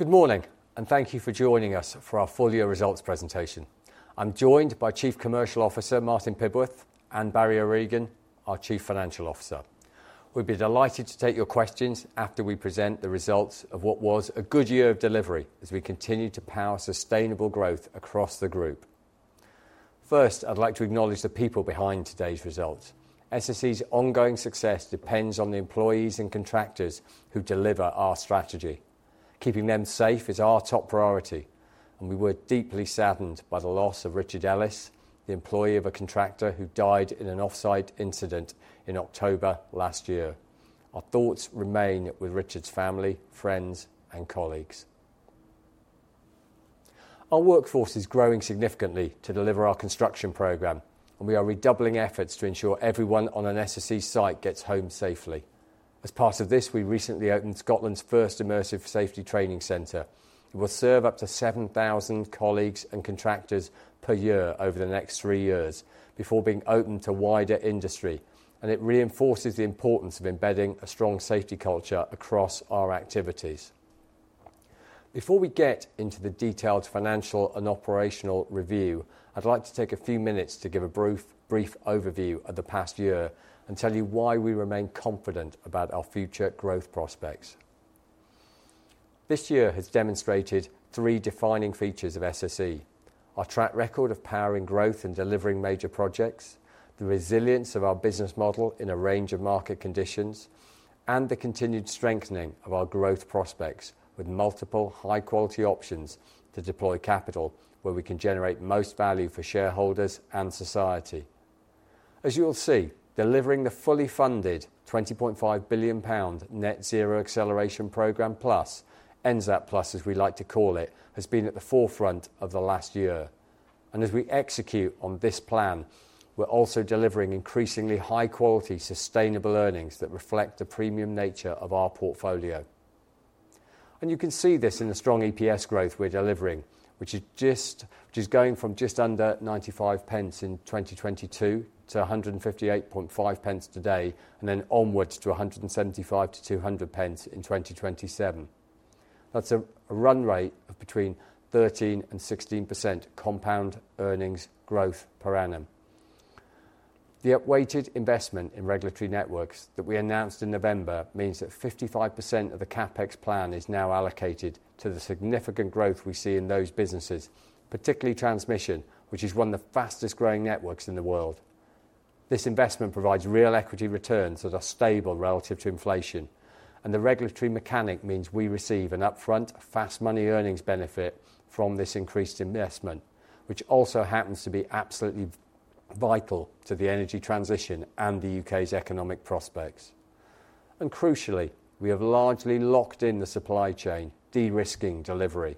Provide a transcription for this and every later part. Good morning, and thank you for joining us for our full-year results presentation. I'm joined by Chief Commercial Officer, Martin Pibworth, and Barry O'Regan, our Chief Financial Officer. We'd be delighted to take your questions after we present the results of what was a good year of delivery, as we continue to power sustainable growth across the group. First, I'd like to acknowledge the people behind today's results. SSE's ongoing success depends on the employees and contractors who deliver our strategy. Keeping them safe is our top priority, and we were deeply saddened by the loss of Richard Ellis, the employee of a contractor who died in an offsite incident in October last year. Our thoughts remain with Richard's family, friends, and colleagues. Our workforce is growing significantly to deliver our construction program, and we are redoubling efforts to ensure everyone on an SSE site gets home safely. As part of this, we recently opened Scotland's first immersive safety training center. It will serve up to 7,000 colleagues and contractors per year over the next three years before being open to wider industry, and it reinforces the importance of embedding a strong safety culture across our activities. Before we get into the detailed financial and operational review, I'd like to take a few minutes to give a brief overview of the past year and tell you why we remain confident about our future growth prospects. This year has demonstrated three defining features of SSE: our track record of powering growth and delivering major projects, the resilience of our business model in a range of market conditions, and the continued strengthening of our growth prospects with multiple high-quality options to deploy capital where we can generate most value for shareholders and society. As you will see, delivering the fully funded 20.5 billion pound Net Zero Acceleration Programme Plus, NZAP Plus, as we like to call it, has been at the forefront of the last year. As we execute on this plan, we're also delivering increasingly high-quality, sustainable earnings that reflect the premium nature of our portfolio. You can see this in the strong EPS growth we're delivering, which is going from just under 0.95 in 2022 to 158.5p today, and then onwards to 175-200p in 2027. That's a run rate of between 13% and 16% compound earnings growth per annum. The upweighted investment in regulatory networks that we announced in November means that 55% of the CapEx plan is now allocated to the significant growth we see in those businesses, particularly transmission, which is one of the fastest-growing networks in the world. This investment provides real equity returns that are stable relative to inflation, and the regulatory mechanic means we receive an upfront, fast money earnings benefit from this increased investment, which also happens to be absolutely vital to the energy transition and the U.K.'s economic prospects. Crucially, we have largely locked in the supply chain, de-risking delivery.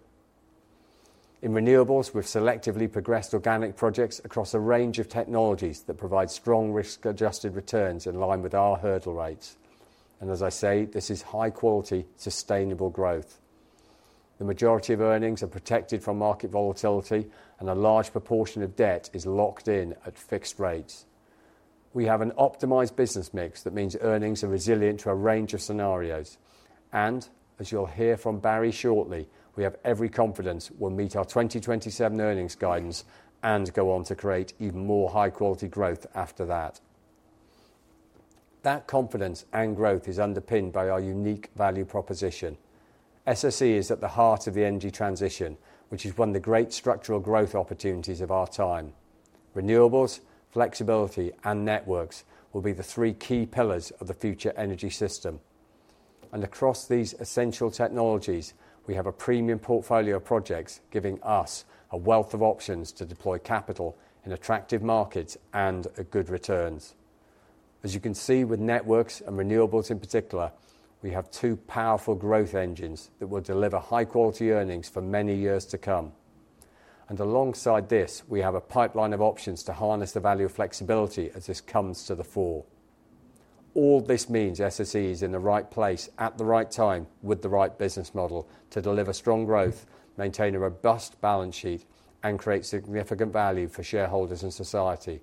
In renewables, we've selectively progressed organic projects across a range of technologies that provide strong risk-adjusted returns in line with our hurdle rates. As I say, this is high-quality, sustainable growth. The majority of earnings are protected from market volatility, and a large proportion of debt is locked in at fixed rates. We have an optimized business mix that means earnings are resilient to a range of scenarios. As you'll hear from Barry shortly, we have every confidence we'll meet our 2027 earnings guidance and go on to create even more high-quality growth after that. That confidence and growth is underpinned by our unique value proposition. SSE is at the heart of the energy transition, which is one of the great structural growth opportunities of our time. Renewables, flexibility, and networks will be the three key pillars of the future energy system. Across these essential technologies, we have a premium portfolio of projects, giving us a wealth of options to deploy capital in attractive markets and at good returns. As you can see with networks and renewables in particular, we have two powerful growth engines that will deliver high-quality earnings for many years to come. Alongside this, we have a pipeline of options to harness the value of flexibility as this comes to the fore. All this means SSE is in the right place at the right time with the right business model to deliver strong growth, maintain a robust balance sheet, and create significant value for shareholders and society.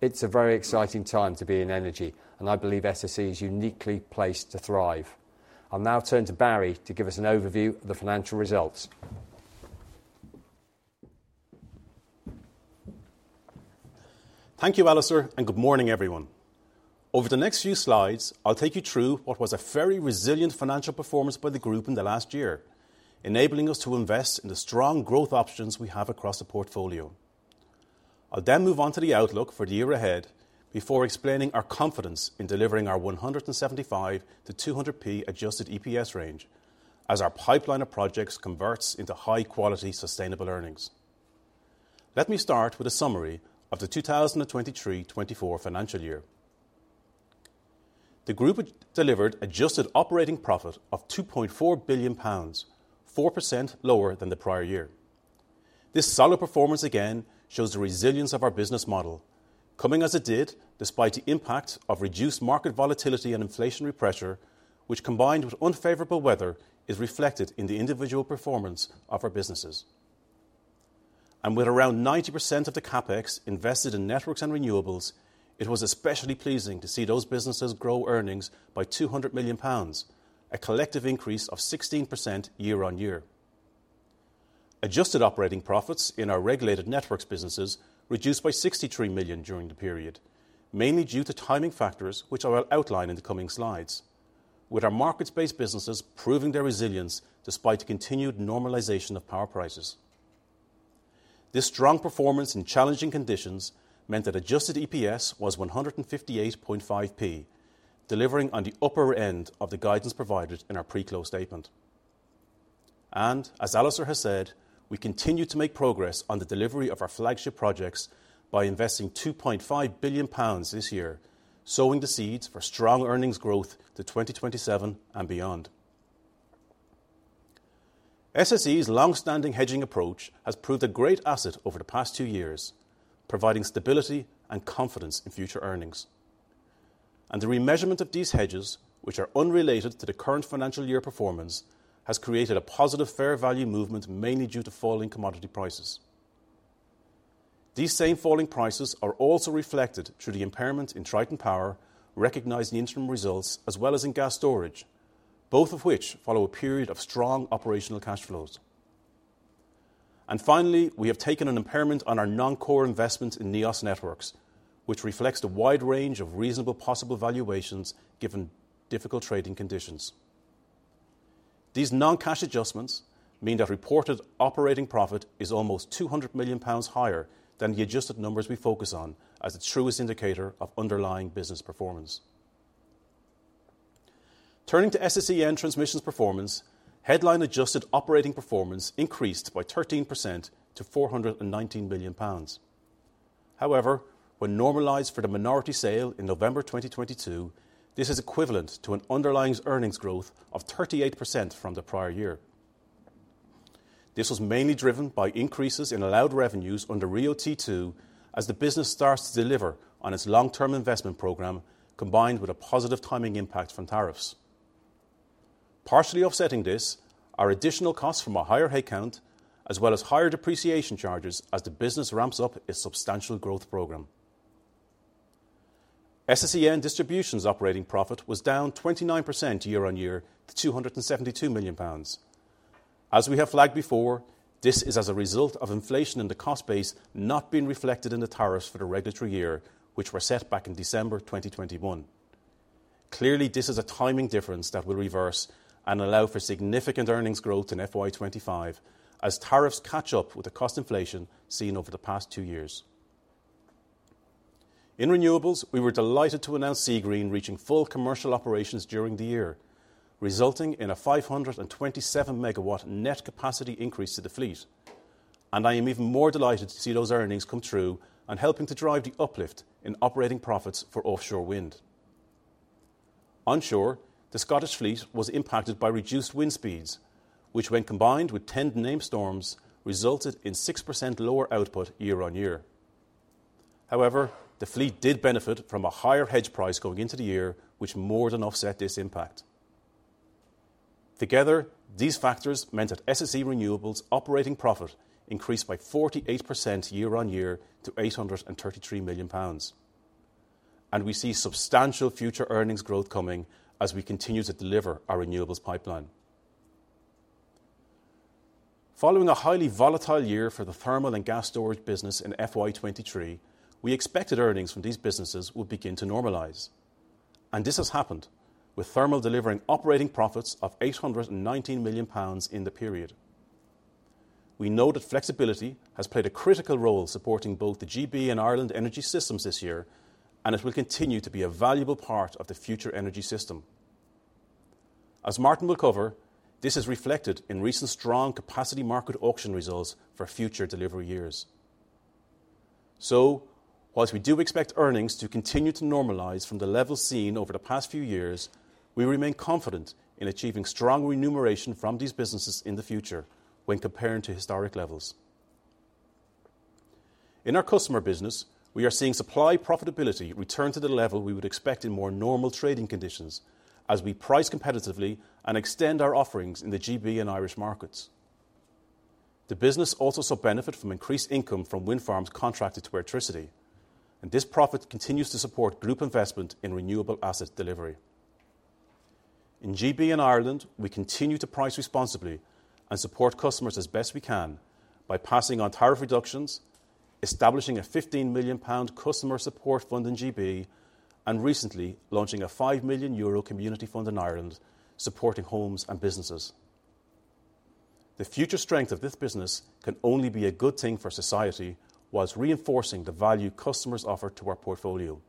It's a very exciting time to be in energy, and I believe SSE is uniquely placed to thrive. I'll now turn to Barry to give us an overview of the financial results. Thank you, Alistair, and good morning, everyone. Over the next few slides, I'll take you through what was a very resilient financial performance by the group in the last year, enabling us to invest in the strong growth options we have across the portfolio. I'll then move on to the outlook for the year ahead before explaining our confidence in delivering our 175p-200p adjusted EPS range as our pipeline of projects converts into high-quality, sustainable earnings. Let me start with a summary of the 2023/2024 financial year. The group delivered adjusted operating profit of 2.4 billion pounds, 4% lower than the prior year. This solid performance again shows the resilience of our business model, coming as it did despite the impact of reduced market volatility and inflationary pressure, which, combined with unfavorable weather, is reflected in the individual performance of our businesses. And with around 90% of the CapEx invested in networks and renewables, it was especially pleasing to see those businesses grow earnings by 200 million pounds, a collective increase of 16% year-on-year. Adjusted operating profits in our regulated networks businesses reduced by 63 million during the period, mainly due to timing factors, which I will outline in the coming slides. With our markets-based businesses proving their resilience despite the continued normalization of power prices. This strong performance in challenging conditions meant that adjusted EPS was 158.5p, delivering on the upper end of the guidance provided in our pre-close statement. As Alistair has said, we continue to make progress on the delivery of our flagship projects by investing 2.5 billion pounds this year, sowing the seeds for strong earnings growth to 2027 and beyond. SSE's long-standing hedging approach has proved a great asset over the past two years, providing stability and confidence in future earnings. The remeasurement of these hedges, which are unrelated to the current financial year performance, has created a positive fair value movement, mainly due to falling commodity prices. These same falling prices are also reflected through the impairment in Triton Power, recognizing the interim results, as well as in gas storage, both of which follow a period of strong operational cash flows. Finally, we have taken an impairment on our non-core investment in Neos Networks, which reflects the wide range of reasonable possible valuations given difficult trading conditions. These non-cash adjustments mean that reported operating profit is almost 200 million pounds higher than the adjusted numbers we focus on as the truest indicator of underlying business performance. Turning to SSEN Transmission's performance, headline adjusted operating performance increased by 13% to 419 million pounds. However, when normalized for the minority sale in November 2022, this is equivalent to an underlying earnings growth of 38% from the prior year. This was mainly driven by increases in allowed revenues under RIIO-T2, as the business starts to deliver on its long-term investment program, combined with a positive timing impact from tariffs. Partially offsetting this, are additional costs from a higher head count, as well as higher depreciation charges as the business ramps up its substantial growth program. SSEN Distribution's operating profit was down 29% year-on-year to GBP 272 million. As we have flagged before, this is as a result of inflation in the cost base not being reflected in the tariffs for the regulatory year, which were set back in December 2021. Clearly, this is a timing difference that will reverse and allow for significant earnings growth in FY 2025 as tariffs catch up with the cost inflation seen over the past two years. In renewables, we were delighted to announce Seagreen reaching full commercial operations during the year, resulting in a 527 MW net capacity increase to the fleet, and I am even more delighted to see those earnings come through and helping to drive the uplift in operating profits for offshore wind. Onshore, the Scottish fleet was impacted by reduced wind speeds, which when combined with 10 named storms, resulted in 6% lower output year-on-year. However, the fleet did benefit from a higher hedge price going into the year, which more than offset this impact. Together, these factors meant that SSE Renewables operating profit increased by 48% year-on-year to 833 million pounds, and we see substantial future earnings growth coming as we continue to deliver our renewables pipeline. Following a highly volatile year for the thermal and gas storage business in FY 2023, we expected earnings from these businesses would begin to normalize, and this has happened, with thermal delivering operating profits of 819 million pounds in the period. We know that flexibility has played a critical role supporting both the GB and Ireland energy systems this year, and it will continue to be a valuable part of the future energy system. As Martin will cover, this is reflected in recent strong Capacity Market auction results for future delivery years. So while we do expect earnings to continue to normalize from the levels seen over the past few years, we remain confident in achieving strong remuneration from these businesses in the future when comparing to historic levels. In our customer business, we are seeing supply profitability return to the level we would expect in more normal trading conditions as we price competitively and extend our offerings in the GB and Irish markets. The business also saw benefit from increased income from wind farms contracted to electricity, and this profit continues to support group investment in renewable asset delivery. In GB and Ireland, we continue to price responsibly and support customers as best we can by passing on tariff reductions, establishing a 15 million pound customer support fund in GB, and recently launching a 5 million euro community fund in Ireland, supporting homes and businesses. The future strength of this business can only be a good thing for society, while reinforcing the value customers offer to our portfolio.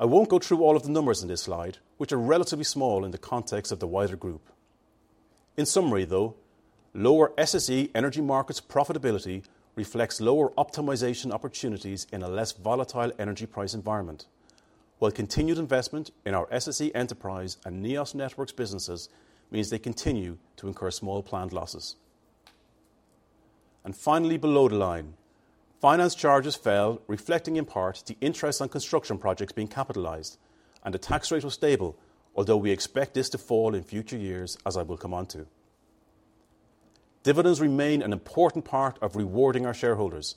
I won't go through all of the numbers in this slide, which are relatively small in the context of the wider group. In summary, though, lower SSE Energy Markets profitability reflects lower optimization opportunities in a less volatile energy price environment, while continued investment in our SSE Enterprise and Neos Networks businesses means they continue to incur small planned losses. Finally, below the line, finance charges fell, reflecting in part the interest on construction projects being capitalized, and the tax rate was stable, although we expect this to fall in future years, as I will come on to. Dividends remain an important part of rewarding our shareholders,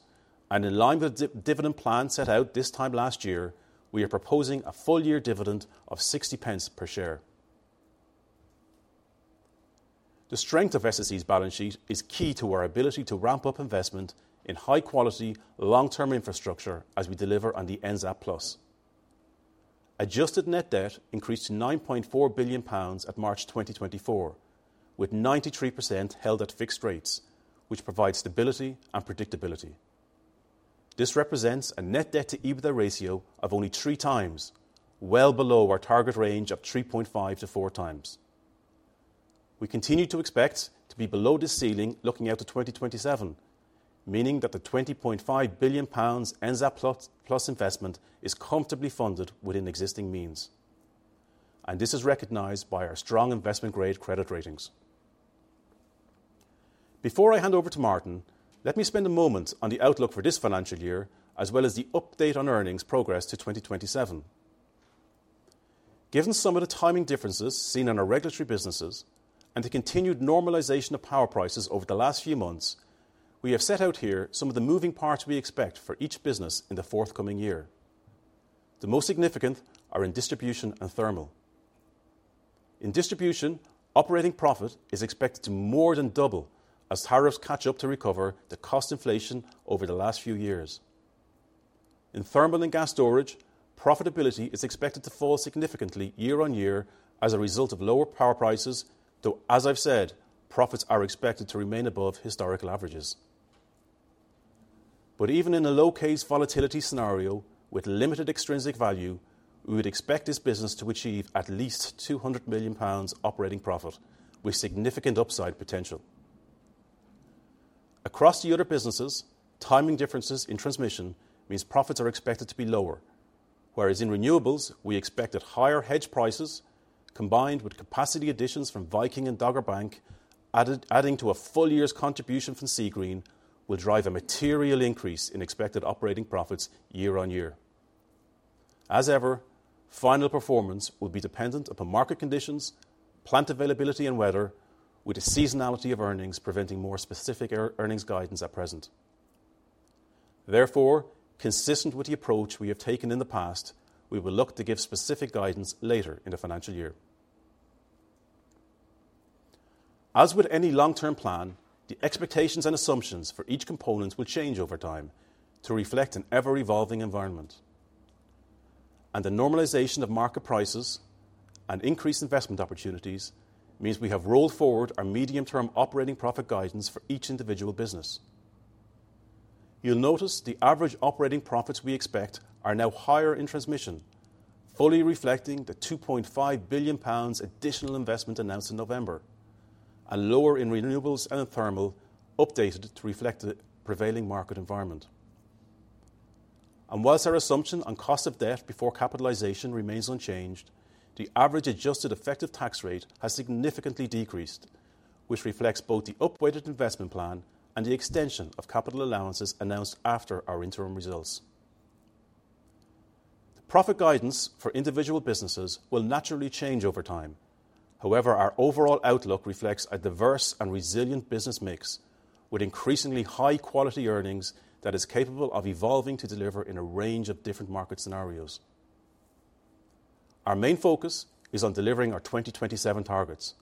and in line with the dividend plan set out this time last year, we are proposing a full-year dividend of 0.60 per share. The strength of SSE's balance sheet is key to our ability to ramp up investment in high-quality, long-term infrastructure as we deliver on the NZAP Plus. Adjusted net debt increased to 9.4 billion pounds at March 2024, with 93% held at fixed rates, which provides stability and predictability. This represents a net debt-to-EBITDA ratio of only 3x, well below our target range of 3.5x-4x. We continue to expect to be below the ceiling looking out to 2027, meaning that the 20.5 billion pounds NZAP Plus investment is comfortably funded within existing means, and this is recognized by our strong investment-grade credit ratings. Before I hand over to Martin, let me spend a moment on the outlook for this financial year, as well as the update on earnings progress to 2027. Given some of the timing differences seen in our regulatory businesses and the continued normalization of power prices over the last few months, we have set out here some of the moving parts we expect for each business in the forthcoming year. The most significant are in distribution and thermal. In distribution, operating profit is expected to more than double as tariffs catch up to recover the cost inflation over the last few years. In thermal and gas storage, profitability is expected to fall significantly year-on-year as a result of lower power prices, though, as I've said, profits are expected to remain above historical averages. But even in a low-case volatility scenario with limited extrinsic value, we would expect this business to achieve at least 200 million pounds operating profit, with significant upside potential. Across the other businesses, timing differences in transmission means profits are expected to be lower. Whereas in renewables, we expected higher hedge prices, combined with capacity additions from Viking and Dogger Bank, adding to a full year's contribution from Seagreen, will drive a material increase in expected operating profits year on year. As ever, final performance will be dependent upon market conditions, plant availability, and weather, with the seasonality of earnings preventing more specific earnings guidance at present. Therefore, consistent with the approach we have taken in the past, we will look to give specific guidance later in the financial year. As with any long-term plan, the expectations and assumptions for each component will change over time to reflect an ever-evolving environment. The normalization of market prices and increased investment opportunities means we have rolled forward our medium-term operating profit guidance for each individual business. You'll notice the average operating profits we expect are now higher in transmission, fully reflecting the 2.5 billion pounds additional investment announced in November, and lower in renewables and in thermal, updated to reflect the prevailing market environment. While our assumption on cost of debt before capitalization remains unchanged, the average adjusted effective tax rate has significantly decreased, which reflects both the upweighted investment plan and the extension of capital allowances announced after our interim results. The profit guidance for individual businesses will naturally change over time. However, our overall outlook reflects a diverse and resilient business mix, with increasingly high-quality earnings that is capable of evolving to deliver in a range of different market scenarios. Our main focus is on delivering our 2027 targets,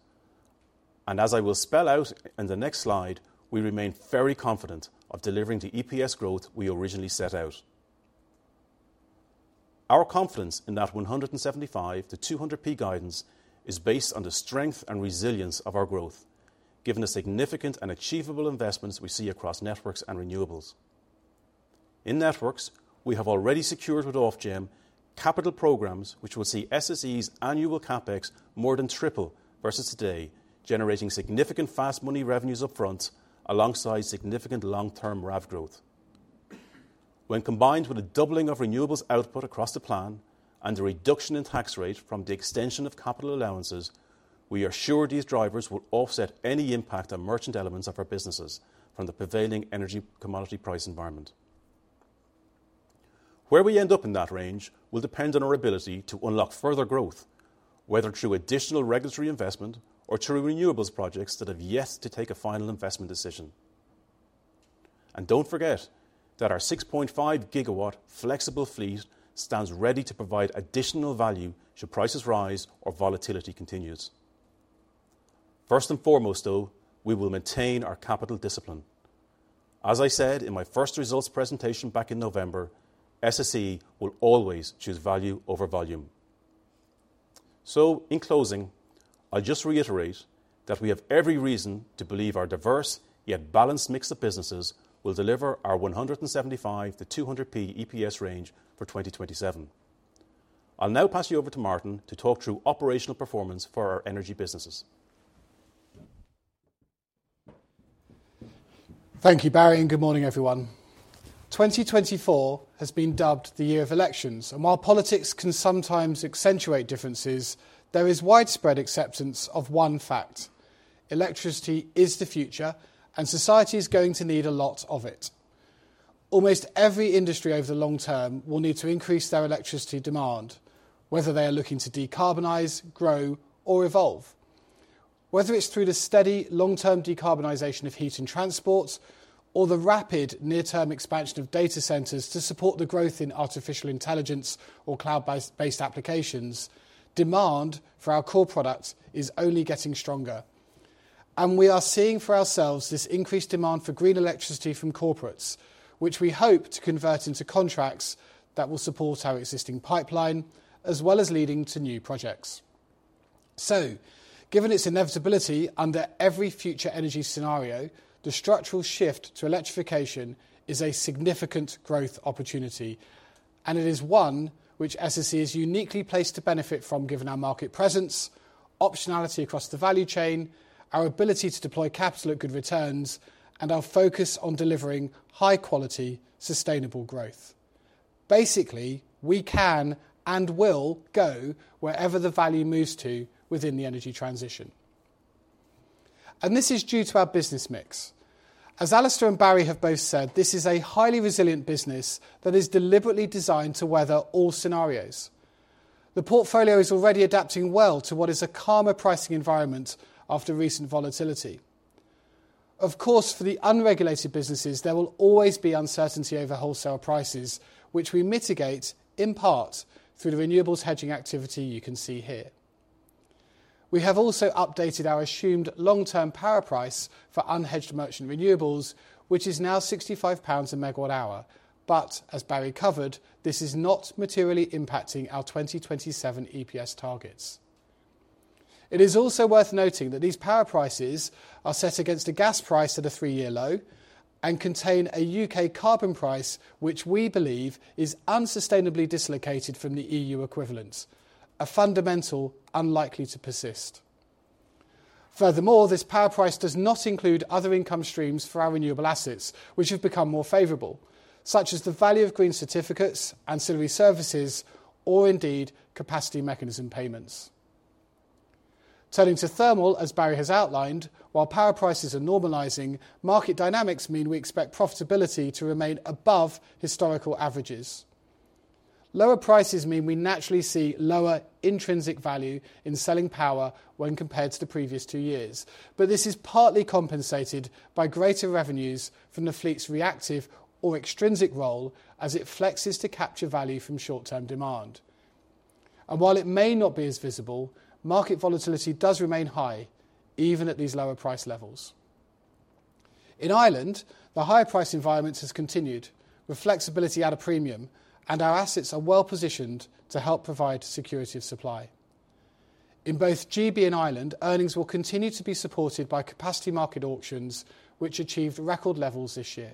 and as I will spell out in the next slide, we remain very confident of delivering the EPS growth we originally set out. Our confidence in that 175-200p guidance is based on the strength and resilience of our growth, given the significant and achievable investments we see across networks and renewables. In networks, we have already secured with Ofgem capital programs, which will see SSE's annual CapEx more than triple versus today, generating significant fast money revenues upfront, alongside significant long-term RAV growth. When combined with a doubling of renewables output across the plan and a reduction in tax rate from the extension of capital allowances, we are sure these drivers will offset any impact on merchant elements of our businesses from the prevailing energy commodity price environment. Where we end up in that range will depend on our ability to unlock further growth, whether through additional regulatory investment or through renewables projects that have yet to take a final investment decision. And don't forget that our 6.5 GW flexible fleet stands ready to provide additional value should prices rise or volatility continues. First and foremost, though, we will maintain our capital discipline. As I said in my first results presentation back in November, SSE will always choose value over volume. In closing, I'll just reiterate that we have every reason to believe our diverse, yet balanced mix of businesses will deliver our 175-200p EPS range for 2027. I'll now pass you over to Martin to talk through operational performance for our energy businesses. Thank you, Barry, and good morning, everyone. 2024 has been dubbed the year of elections, and while politics can sometimes accentuate differences, there is widespread acceptance of one fact: electricity is the future, and society is going to need a lot of it. Almost every industry over the long-term will need to increase their electricity demand, whether they are looking to decarbonize, grow, or evolve. Whether it's through the steady long-term decarbonization of heat and transport or the rapid near-term expansion of data centers to support the growth in artificial intelligence or cloud-based applications, demand for our core products is only getting stronger. And we are seeing for ourselves this increased demand for green electricity from corporates, which we hope to convert into contracts that will support our existing pipeline, as well as leading to new projects. So, given its inevitability under every future energy scenario, the structural shift to electrification is a significant growth opportunity, and it is one which SSE is uniquely placed to benefit from, given our market presence, optionality across the value chain, our ability to deploy capital at good returns, and our focus on delivering high-quality, sustainable growth. Basically, we can and will go wherever the value moves to within the energy transition. And this is due to our business mix. As Alistair and Barry have both said, this is a highly resilient business that is deliberately designed to weather all scenarios. The portfolio is already adapting well to what is a calmer pricing environment after recent volatility. Of course, for the unregulated businesses, there will always be uncertainty over wholesale prices, which we mitigate in part through the renewables hedging activity you can see here. We have also updated our assumed long-term power price for unhedged merchant renewables, which is now 65 GBP/MWh. But as Barry covered, this is not materially impacting our 2027 EPS targets. It is also worth noting that these power prices are set against a gas price at a three-year low and contain a U.K. carbon price, which we believe is unsustainably dislocated from the EU equivalents, a fundamental unlikely to persist. Furthermore, this power price does not include other income streams for our renewable assets, which have become more favorable, such as the value of green certificates, ancillary services, or indeed capacity mechanism payments. Turning to thermal, as Barry has outlined, while power prices are normalizing, market dynamics mean we expect profitability to remain above historical averages. Lower prices mean we naturally see lower intrinsic value in selling power when compared to the previous two years, but this is partly compensated by greater revenues from the fleet's reactive or extrinsic role as it flexes to capture value from short-term demand. While it may not be as visible, market volatility does remain high, even at these lower price levels. In Ireland, the higher price environment has continued, with flexibility at a premium, and our assets are well-positioned to help provide security of supply. In both GB and Ireland, earnings will continue to be supported by Capacity Market auctions, which achieved record levels this year.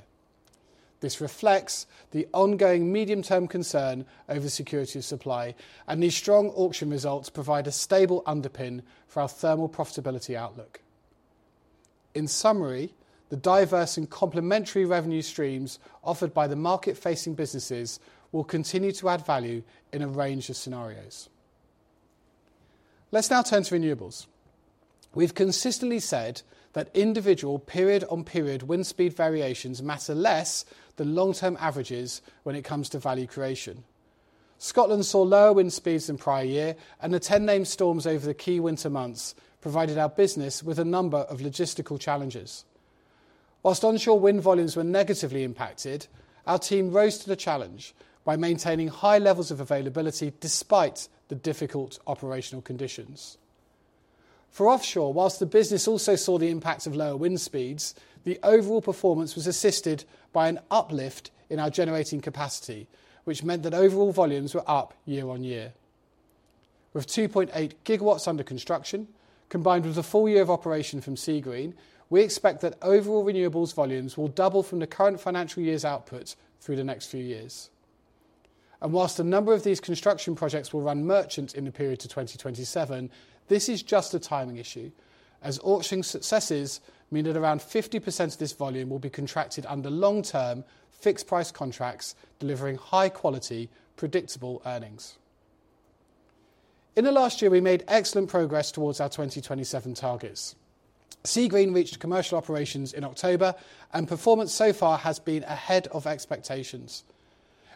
This reflects the ongoing medium-term concern over security of supply, and these strong auction results provide a stable underpin for our thermal profitability outlook. In summary, the diverse and complementary revenue streams offered by the market-facing businesses will continue to add value in a range of scenarios. Let's now turn to renewables. We've consistently said that individual period-on-period wind speed variations matter less than long-term averages when it comes to value creation. Scotland saw lower wind speeds than prior year, and the 10 named storms over the key winter months provided our business with a number of logistical challenges. While onshore wind volumes were negatively impacted, our team rose to the challenge by maintaining high levels of availability despite the difficult operational conditions. For offshore, while the business also saw the impacts of lower wind speeds, the overall performance was assisted by an uplift in our generating capacity, which meant that overall volumes were up year-over-year. With 2.8 GW under construction, combined with a full year of operation from Seagreen, we expect that overall renewables volumes will double from the current financial year's output through the next few years. While a number of these construction projects will run merchant in the period to 2027, this is just a timing issue, as auction successes mean that around 50% of this volume will be contracted under long-term fixed-price contracts, delivering high-quality, predictable earnings. In the last year, we made excellent progress towards our 2027 targets. Seagreen reached commercial operations in October, and performance so far has been ahead of expectations.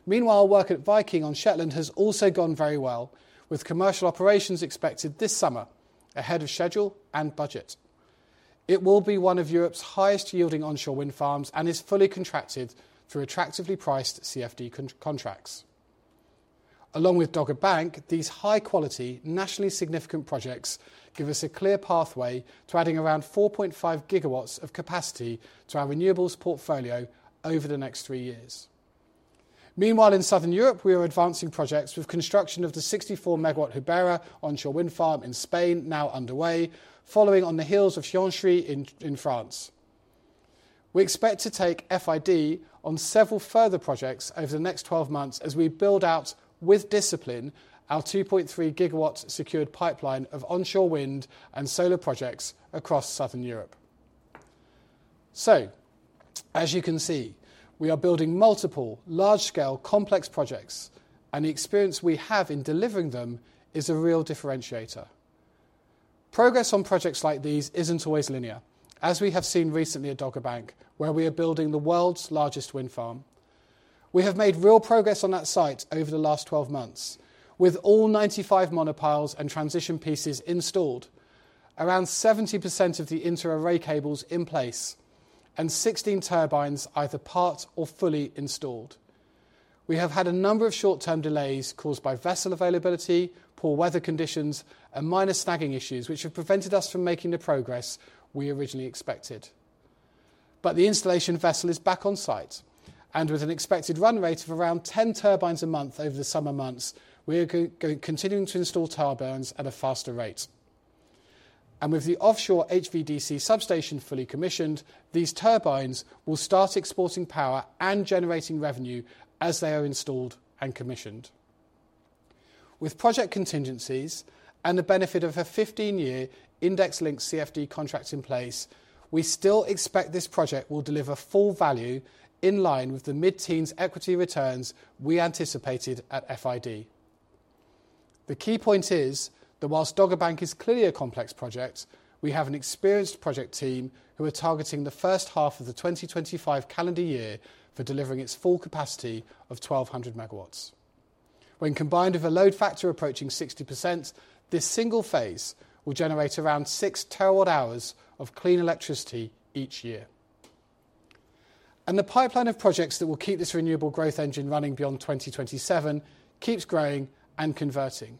Meanwhile, work at Viking on Shetland has also gone very well, with commercial operations expected this summer, ahead of schedule and budget. It will be one of Europe's highest-yielding onshore wind farms and is fully contracted through attractively priced CfD contracts. Along with Dogger Bank, these high-quality, nationally significant projects give us a clear pathway to adding around 4.5 GW of capacity to our renewables portfolio over the next three years. Meanwhile, in Southern Europe, we are advancing projects with construction of the 64-MW Jubera onshore wind farm in Spain now underway, following on the heels of Chaintrix in France. We expect to take FID on several further projects over the next 12 months as we build out, with discipline, our 2.3 GW secured pipeline of onshore wind and solar projects across Southern Europe. So, as you can see, we are building multiple large-scale complex projects, and the experience we have in delivering them is a real differentiator. Progress on projects like these isn't always linear, as we have seen recently at Dogger Bank, where we are building the world's largest wind farm. We have made real progress on that site over the last 12 months, with all 95 monopiles and transition pieces installed, around 70% of the inter-array cables in place, and 16 turbines either part or fully installed. We have had a number of short-term delays caused by vessel availability, poor weather conditions, and minor snagging issues, which have prevented us from making the progress we originally expected. But the installation vessel is back on site, and with an expected run rate of around 10 turbines a month over the summer months, we are continuing to install turbines at a faster rate. With the offshore HVDC substation fully commissioned, these turbines will start exporting power and generating revenue as they are installed and commissioned. With project contingencies and the benefit of a 15-year index-linked CfD contract in place, we still expect this project will deliver full value in line with the mid-teens equity returns we anticipated at FID. The key point is that while Dogger Bank is clearly a complex project, we have an experienced project team who are targeting the first half of the 2025 calendar year for delivering its full capacity of 1,200 MW. When combined with a load factor approaching 60%, this single phase will generate around 6 TWh of clean electricity each year. The pipeline of projects that will keep this renewable growth engine running beyond 2027 keeps growing and converting.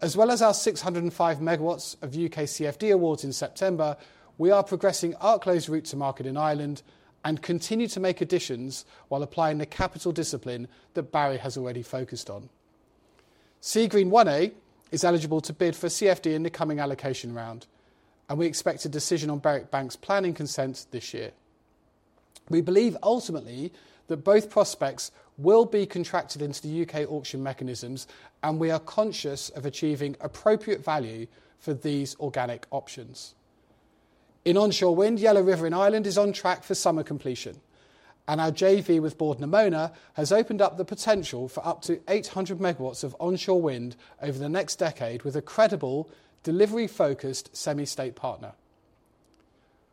As well as our 605 MW of U.K. CfD awards in September, we are progressing our close route to market in Ireland and continue to make additions while applying the capital discipline that Barry has already focused on. Seagreen 1A is eligible to bid for CfD in the coming allocation round, and we expect a decision on Berwick Bank's planning consent this year. We believe ultimately that both prospects will be contracted into the U.K. auction mechanisms, and we are conscious of achieving appropriate value for these organic options. In onshore wind, Yellow River in Ireland is on track for summer completion, and our JV with Bord na Móna has opened up the potential for up to 800 MW of onshore wind over the next decade with a credible, delivery-focused semi-state partner.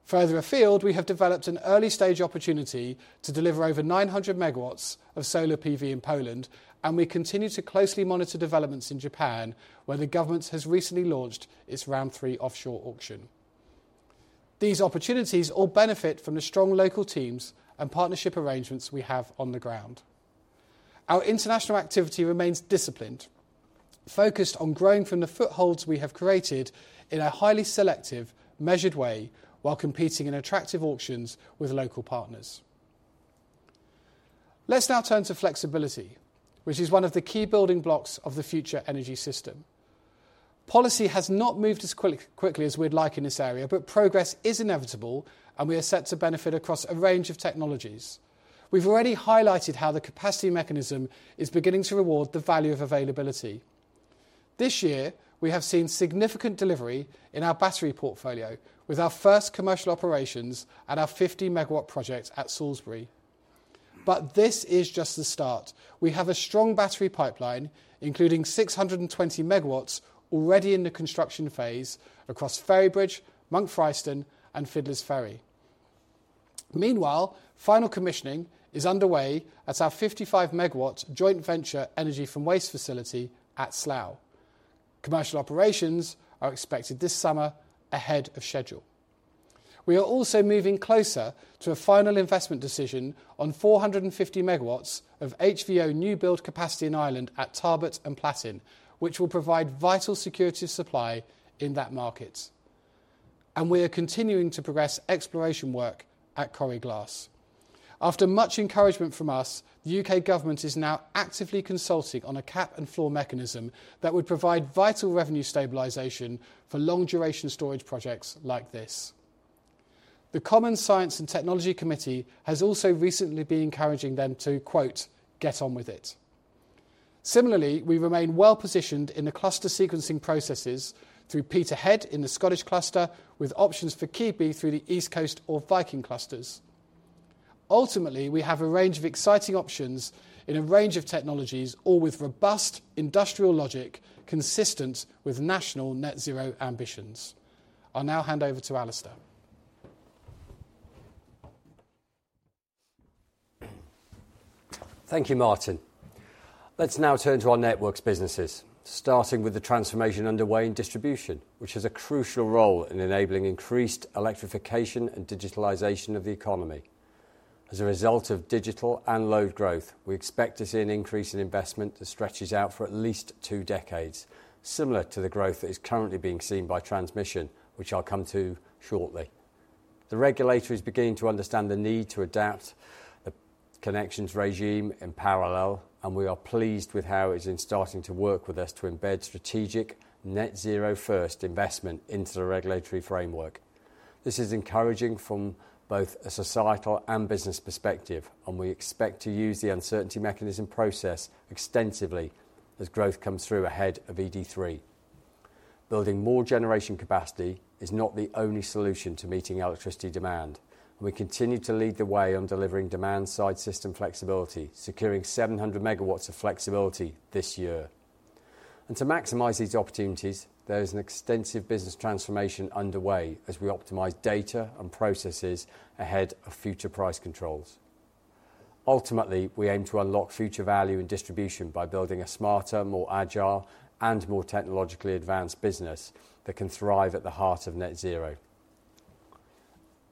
Further afield, we have developed an early-stage opportunity to deliver over 900 MW of solar PV in Poland, and we continue to closely monitor developments in Japan, where the government has recently launched its Round Three offshore auction. These opportunities all benefit from the strong local teams and partnership arrangements we have on the ground. Our international activity remains disciplined, focused on growing from the footholds we have created in a highly selective, measured way, while competing in attractive auctions with local partners. Let's now turn to flexibility, which is one of the key building blocks of the future energy system. Policy has not moved as quickly as we'd like in this area, but progress is inevitable, and we are set to benefit across a range of technologies. We've already highlighted how the capacity mechanism is beginning to reward the value of availability. This year, we have seen significant delivery in our battery portfolio, with our first commercial operations at our 50-MW project at Salisbury. But this is just the start. We have a strong battery pipeline, including 620 MW already in the construction phase across Ferrybridge, Monk Fryston, and Fiddler's Ferry. Meanwhile, final commissioning is underway at our 55-MW joint venture energy from waste facility at Slough. Commercial operations are expected this summer ahead of schedule. We are also moving closer to a final investment decision on 450 MW of HVO new-build capacity in Ireland at Tarbert and Platin, which will provide vital security of supply in that market, and we are continuing to progress exploration work at Coire Glas. After much encouragement from us, the U.K. government is now actively consulting on a cap and floor mechanism that would provide vital revenue stabilization for long-duration storage projects like this. The Commons Science and Technology Committee has also recently been encouraging them to, quote, "Get on with it." Similarly, we remain well-positioned in the cluster sequencing processes through Peterhead in the Scottish cluster, with options for Keadby through the East Coast or Viking clusters. Ultimately, we have a range of exciting options in a range of technologies, all with robust industrial logic, consistent with national net zero ambitions. I'll now hand over to Alistair. Thank you, Martin. Let's now turn to our networks businesses, starting with the transformation underway in distribution, which has a crucial role in enabling increased electrification and digitalization of the economy. As a result of digital and load growth, we expect to see an increase in investment that stretches out for at least two decades, similar to the growth that is currently being seen by transmission, which I'll come to shortly. The regulator is beginning to understand the need to adapt the connections regime in parallel, and we are pleased with how it is then starting to work with us to embed strategic net zero-first investment into the regulatory framework. This is encouraging from both a societal and business perspective, and we expect to use the uncertainty mechanism process extensively as growth comes through ahead of ED3.... Building more generation capacity is not the only solution to meeting electricity demand. We continue to lead the way on delivering demand-side system flexibility, securing 700 MW of flexibility this year. And to maximize these opportunities, there is an extensive business transformation underway as we optimize data and processes ahead of future price controls. Ultimately, we aim to unlock future value in distribution by building a smarter, more agile, and more technologically advanced business that can thrive at the heart of net zero.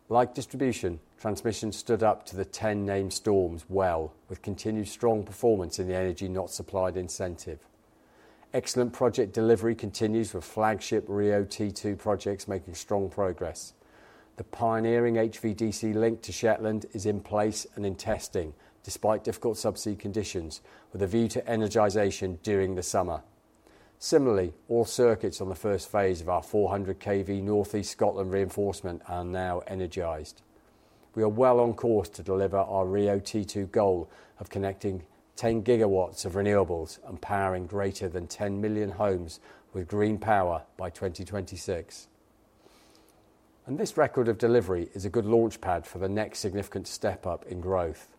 Like distribution, transmission stood up to the 10 named storms well, with continued strong performance in the Energy Not Supplied incentive. Excellent project delivery continues, with flagship RIIO-T2 projects making strong progress. The pioneering HVDC link to Shetland is in place and in testing, despite difficult subsea conditions, with a view to energization during the summer. Similarly, all circuits on the first phase of our 400 kV Northeast Scotland reinforcement are now energized. We are well on course to deliver our RIIO-T2 goal of connecting 10 GW of renewables and powering greater than 10 million homes with green power by 2026. This record of delivery is a good launchpad for the next significant step-up in growth.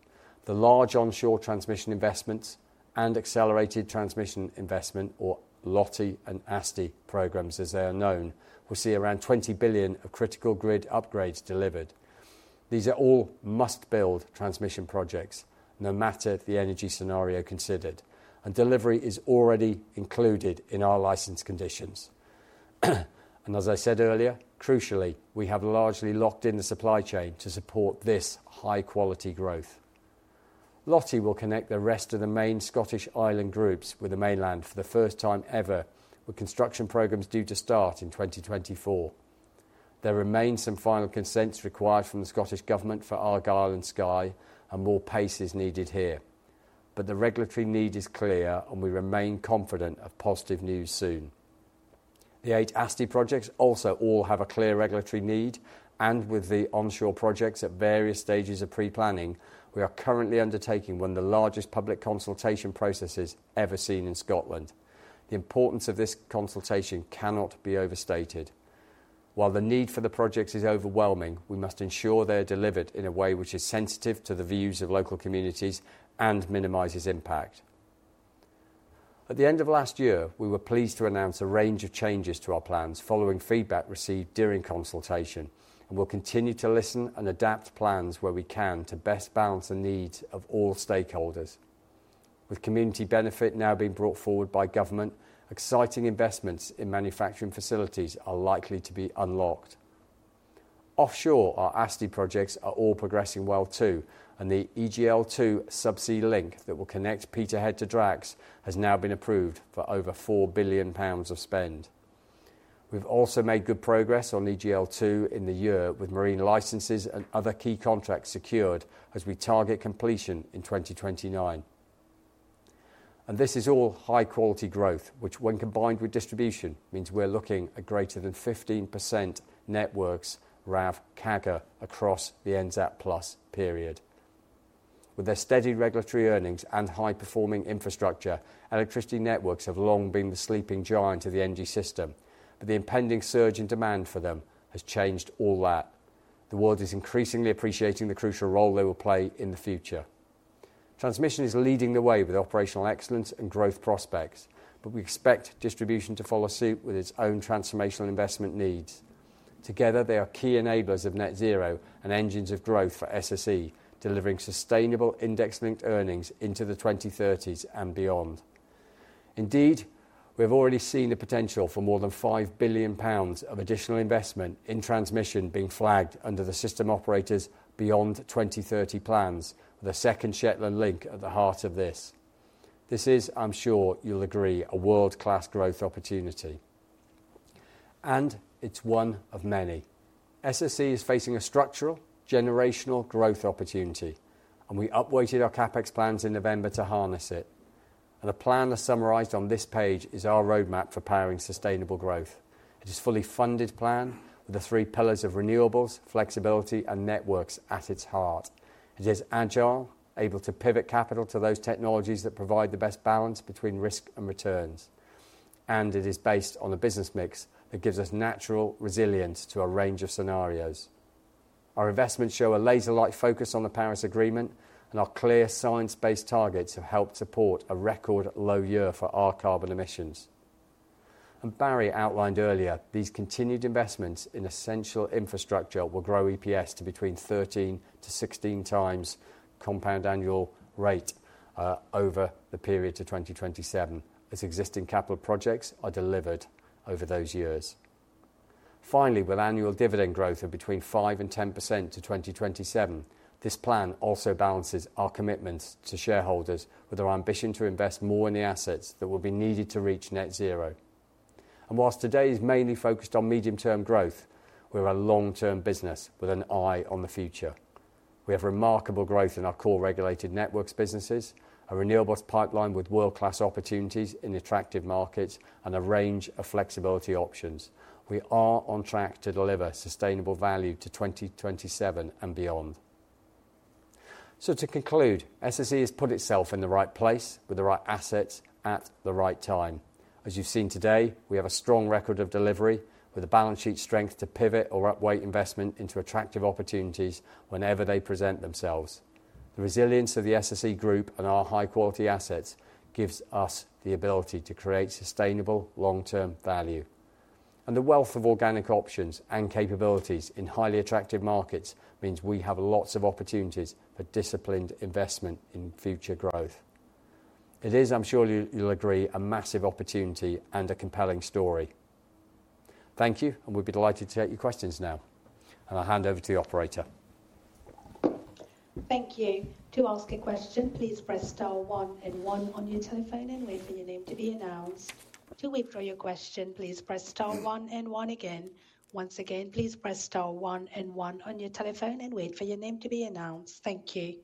The large onshore transmission investments and accelerated transmission investment, or LOTI and ASTI programs, as they are known, will see around 20 billion of critical grid upgrades delivered. These are all must-build transmission projects, no matter the energy scenario considered, and delivery is already included in our license conditions. And as I said earlier, crucially, we have largely locked in the supply chain to support this high-quality growth. LOTI will connect the rest of the main Scottish island groups with the mainland for the first time ever, with construction programs due to start in 2024. There remains some final consents required from the Scottish Government for Argyll and Skye, and more pace is needed here. The regulatory need is clear, and we remain confident of positive news soon. The eight ASTI projects also all have a clear regulatory need, and with the onshore projects at various stages of pre-planning, we are currently undertaking one of the largest public consultation processes ever seen in Scotland. The importance of this consultation cannot be overstated. While the need for the projects is overwhelming, we must ensure they are delivered in a way which is sensitive to the views of local communities and minimizes impact. At the end of last year, we were pleased to announce a range of changes to our plans following feedback received during consultation, and we'll continue to listen and adapt plans where we can to best balance the needs of all stakeholders. With community benefit now being brought forward by government, exciting investments in manufacturing facilities are likely to be unlocked. Offshore, our ASTI projects are all progressing well, too, and the EGL2 subsea link that will connect Peterhead to Drax has now been approved for over 4 billion pounds of spend. We've also made good progress on EGL2 in the year, with marine licenses and other key contracts secured as we target completion in 2029. And this is all high-quality growth, which, when combined with distribution, means we're looking at greater than 15% networks RAV CAGR across the NZAP Plus period. With their steady regulatory earnings and high-performing infrastructure, electricity networks have long been the sleeping giant of the energy system, but the impending surge in demand for them has changed all that. The world is increasingly appreciating the crucial role they will play in the future. Transmission is leading the way with operational excellence and growth prospects, but we expect distribution to follow suit with its own transformational investment needs. Together, they are key enablers of net zero and engines of growth for SSE, delivering sustainable index-linked earnings into the 2030s and beyond. Indeed, we have already seen the potential for more than 5 billion pounds of additional investment in transmission being flagged under the system operator's Beyond 2030 plans, the second Shetland link at the heart of this. This is, I'm sure you'll agree, a world-class growth opportunity, and it's one of many. SSE is facing a structural, generational growth opportunity, and we upweighted our CapEx plans in November to harness it. The plan that's summarized on this page is our roadmap for powering sustainable growth. It is a fully-funded plan with the three pillars of renewables, flexibility, and networks at its heart. It is agile, able to pivot capital to those technologies that provide the best balance between risk and returns, and it is based on a business mix that gives us natural resilience to a range of scenarios. Our investments show a laser-like focus on the Paris Agreement, and our clear science-based targets have helped support a record low year for our carbon emissions. And Barry outlined earlier, these continued investments in essential infrastructure will grow EPS to between 13x-16x compound annual rate over the period to 2027, as existing capital projects are delivered over those years. Finally, with annual dividend growth of between 5% and 10% to 2027, this plan also balances our commitments to shareholders with our ambition to invest more in the assets that will be needed to reach net zero. While today is mainly focused on medium-term growth, we're a long-term business with an eye on the future. We have remarkable growth in our core regulated networks businesses, a renewables pipeline with world-class opportunities in attractive markets, and a range of flexibility options. We are on track to deliver sustainable value to 2027 and beyond. So to conclude, SSE has put itself in the right place with the right assets at the right time. As you've seen today, we have a strong record of delivery with a balance sheet strength to pivot or upweight investment into attractive opportunities whenever they present themselves. The resilience of the SSE group and our high-quality assets gives us the ability to create sustainable long-term value. The wealth of organic options and capabilities in highly attractive markets means we have lots of opportunities for disciplined investment in future growth. It is, I'm sure you, you'll agree, a massive opportunity and a compelling story. Thank you, and we'll be delighted to take your questions now. I'll hand over to the operator. Thank you. To ask a question, please press star one and one on your telephone and wait for your name to be announced. To withdraw your question, please press star one and one again. Once again, please press star one and one on your telephone and wait for your name to be announced. Thank you.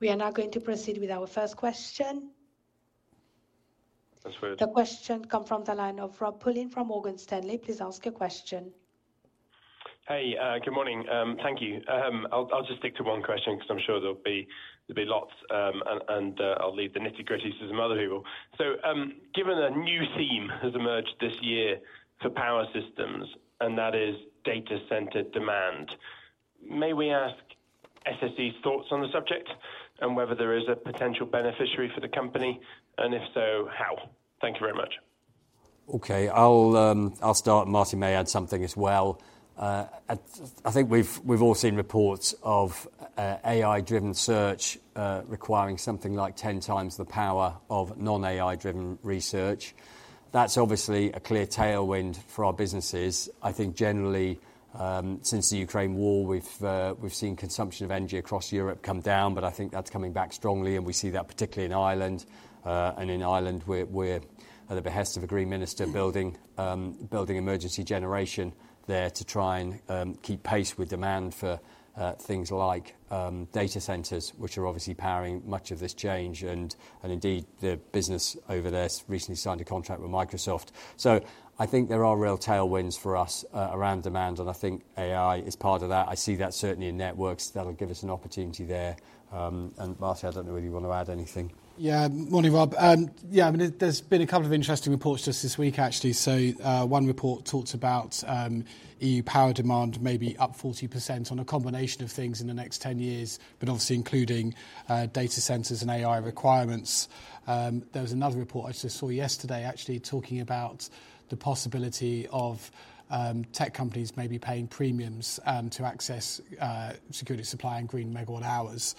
We are now going to proceed with our first question. The question comes from the line of Robert Pullen from Morgan Stanley. Please ask your question. Hey, good morning. Thank you. I'll just stick to one question 'cause I'm sure there'll be, there'll be lots, and, and, I'll leave the nitty-gritties to some other people. So, given a new theme has emerged this year for power systems, and that is data-centered demand, may we ask SSE's thoughts on the subject and whether there is a potential beneficiary for the company, and if so, how? Thank you very much. Okay. I'll start, and Martin may add something as well. I think we've all seen reports of AI-driven search requiring something like 10x the power of non-AI-driven research. That's obviously a clear tailwind for our businesses. I think generally, since the Ukraine war, we've seen consumption of energy across Europe come down, but I think that's coming back strongly, and we see that particularly in Ireland. And in Ireland, we're at the behest of a green minister, building emergency generation there to try and keep pace with demand for things like data centers, which are obviously powering much of this change. And indeed, the business over there recently signed a contract with Microsoft. So I think there are real tailwinds for us, around demand, and I think AI is part of that. I see that certainly in networks. That'll give us an opportunity there. And Martin, I don't know whether you want to add anything. Yeah. Morning, Rob. Yeah, I mean, there's been a couple of interesting reports just this week, actually. So, one report talked about EU power demand maybe up 40% on a combination of things in the next 10 years, but obviously including data centers and AI requirements. There was another report I just saw yesterday actually talking about the possibility of tech companies maybe paying premiums to access security, supply, and green megawatt hours.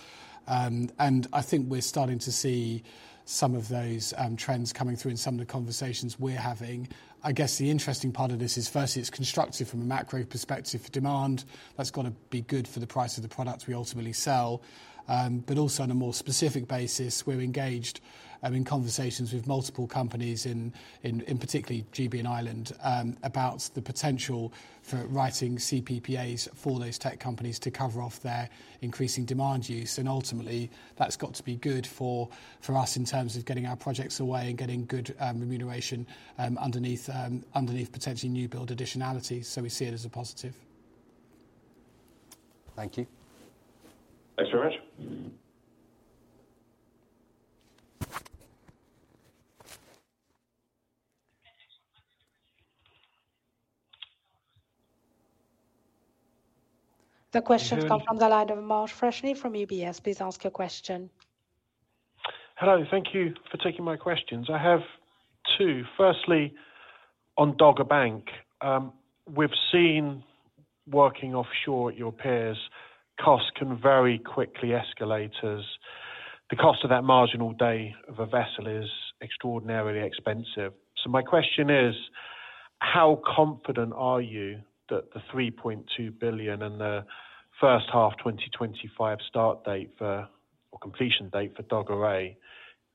And I think we're starting to see some of those trends coming through in some of the conversations we're having. I guess the interesting part of this is, firstly, it's constructive from a macro perspective for demand. That's gotta be good for the price of the products we ultimately sell. But also on a more specific basis, we're engaged in conversations with multiple companies in particularly GB and Ireland about the potential for writing CPPAs for those tech companies to cover off their increasing demand use. And ultimately, that's got to be good for us in terms of getting our projects away and getting good remuneration underneath potentially new build additionality. So we see it as a positive. Thank you. Thanks very much. The question come from the line of Mark Freshney from UBS. Please ask your question. Hello. Thank you for taking my questions. I have two. Firstly, on Dogger Bank. We've seen, working offshore, your peers' costs can very quickly escalate as the cost of that marginal day of a vessel is extraordinarily expensive. So my question is, how confident are you that the 3.2 billion and the first half 2025 start date for... or completion date for Dogger A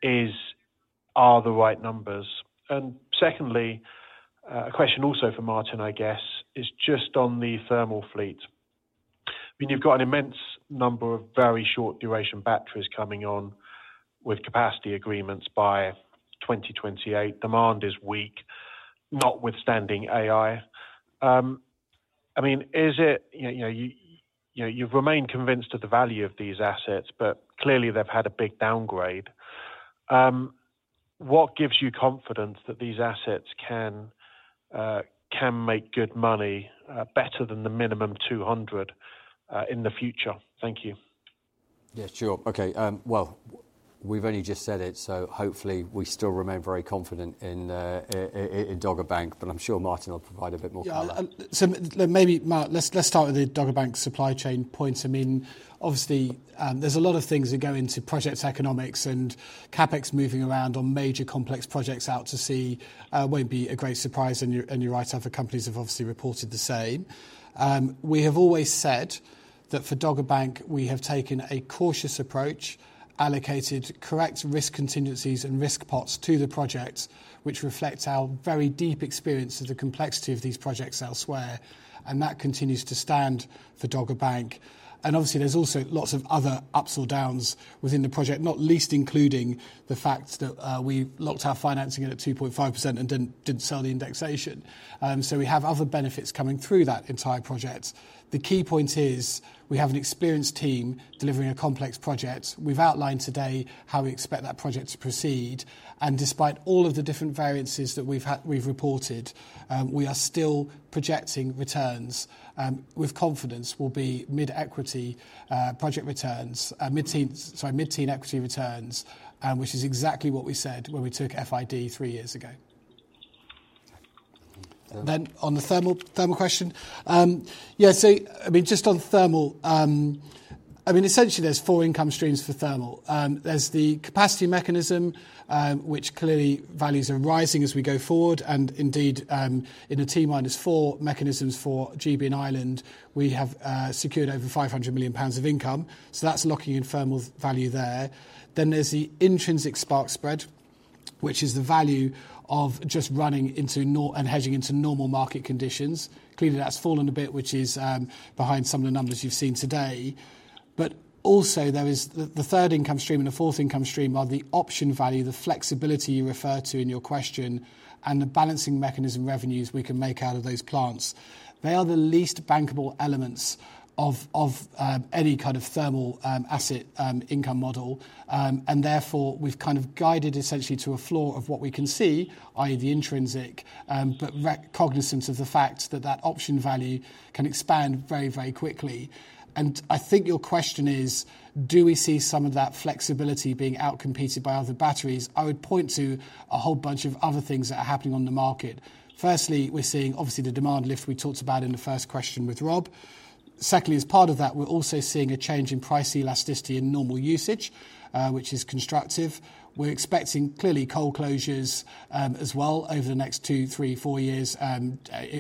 is, are the right numbers? And secondly, a question also for Martin, I guess, is just on the thermal fleet. I mean, you've got an immense number of very short-duration batteries coming on with capacity agreements by 2028. Demand is weak, notwithstanding AI. I mean, is it, you, you know, you, you know, you've remained convinced of the value of these assets, but clearly, they've had a big downgrade. What gives you confidence that these assets can make good money, better than the minimum 200, in the future? Thank you. Yeah, sure. Okay, well, we've only just said it, so hopefully, we still remain very confident in Dogger Bank, but I'm sure Martin will provide a bit more color. Yeah, so maybe, Mart, let's start with the Dogger Bank supply chain point. I mean, obviously, there's a lot of things that go into project economics and CapEx moving around on major complex projects out to sea, won't be a great surprise. And you're right, other companies have obviously reported the same. We have always said that for Dogger Bank, we have taken a cautious approach, allocated correct risk contingencies and risk pots to the project, which reflects our very deep experience of the complexity of these projects elsewhere, and that continues to stand for Dogger Bank. And obviously, there's also lots of other ups or downs within the project, not least including the fact that, we've locked our financing in at 2.5% and didn't sell the indexation. So we have other benefits coming through that entire project. The key point is we have an experienced team delivering a complex project. We've outlined today how we expect that project to proceed, and despite all of the different variances that we've had, we've reported, we are still projecting returns, with confidence will be mid-equity, project returns, mid-teens, sorry, mid-teen equity returns, and which is exactly what we said when we took FID three years ago. Then on the thermal, thermal question, yeah, so, I mean, just on thermal, I mean, essentially there's four income streams for thermal. There's the capacity mechanism, which clearly values are rising as we go forward, and indeed, in a T-4 mechanisms for GB and Ireland, we have secured over 500 million pounds of income, so that's locking in thermal value there. Then there's the intrinsic spark spread, which is the value of just running into normal and hedging into normal market conditions. Clearly, that's fallen a bit, which is behind some of the numbers you've seen today. But also, there is the third income stream and the fourth income stream are the option value, the flexibility you referred to in your question, and the balancing mechanism revenues we can make out of those plants. They are the least bankable elements of any kind of thermal asset income model. And therefore, we've kind of guided essentially to a floor of what we can see, i.e., the intrinsic, but cognizant of the fact that that option value can expand very, very quickly. And I think your question is: Do we see some of that flexibility being outcompeted by other batteries? I would point to a whole bunch of other things that are happening on the market. Firstly, we're seeing obviously the demand lift we talked about in the first question with Rob. Secondly, as part of that, we're also seeing a change in price elasticity in normal usage, which is constructive. We're expecting clearly coal closures as well over the next two, three, four years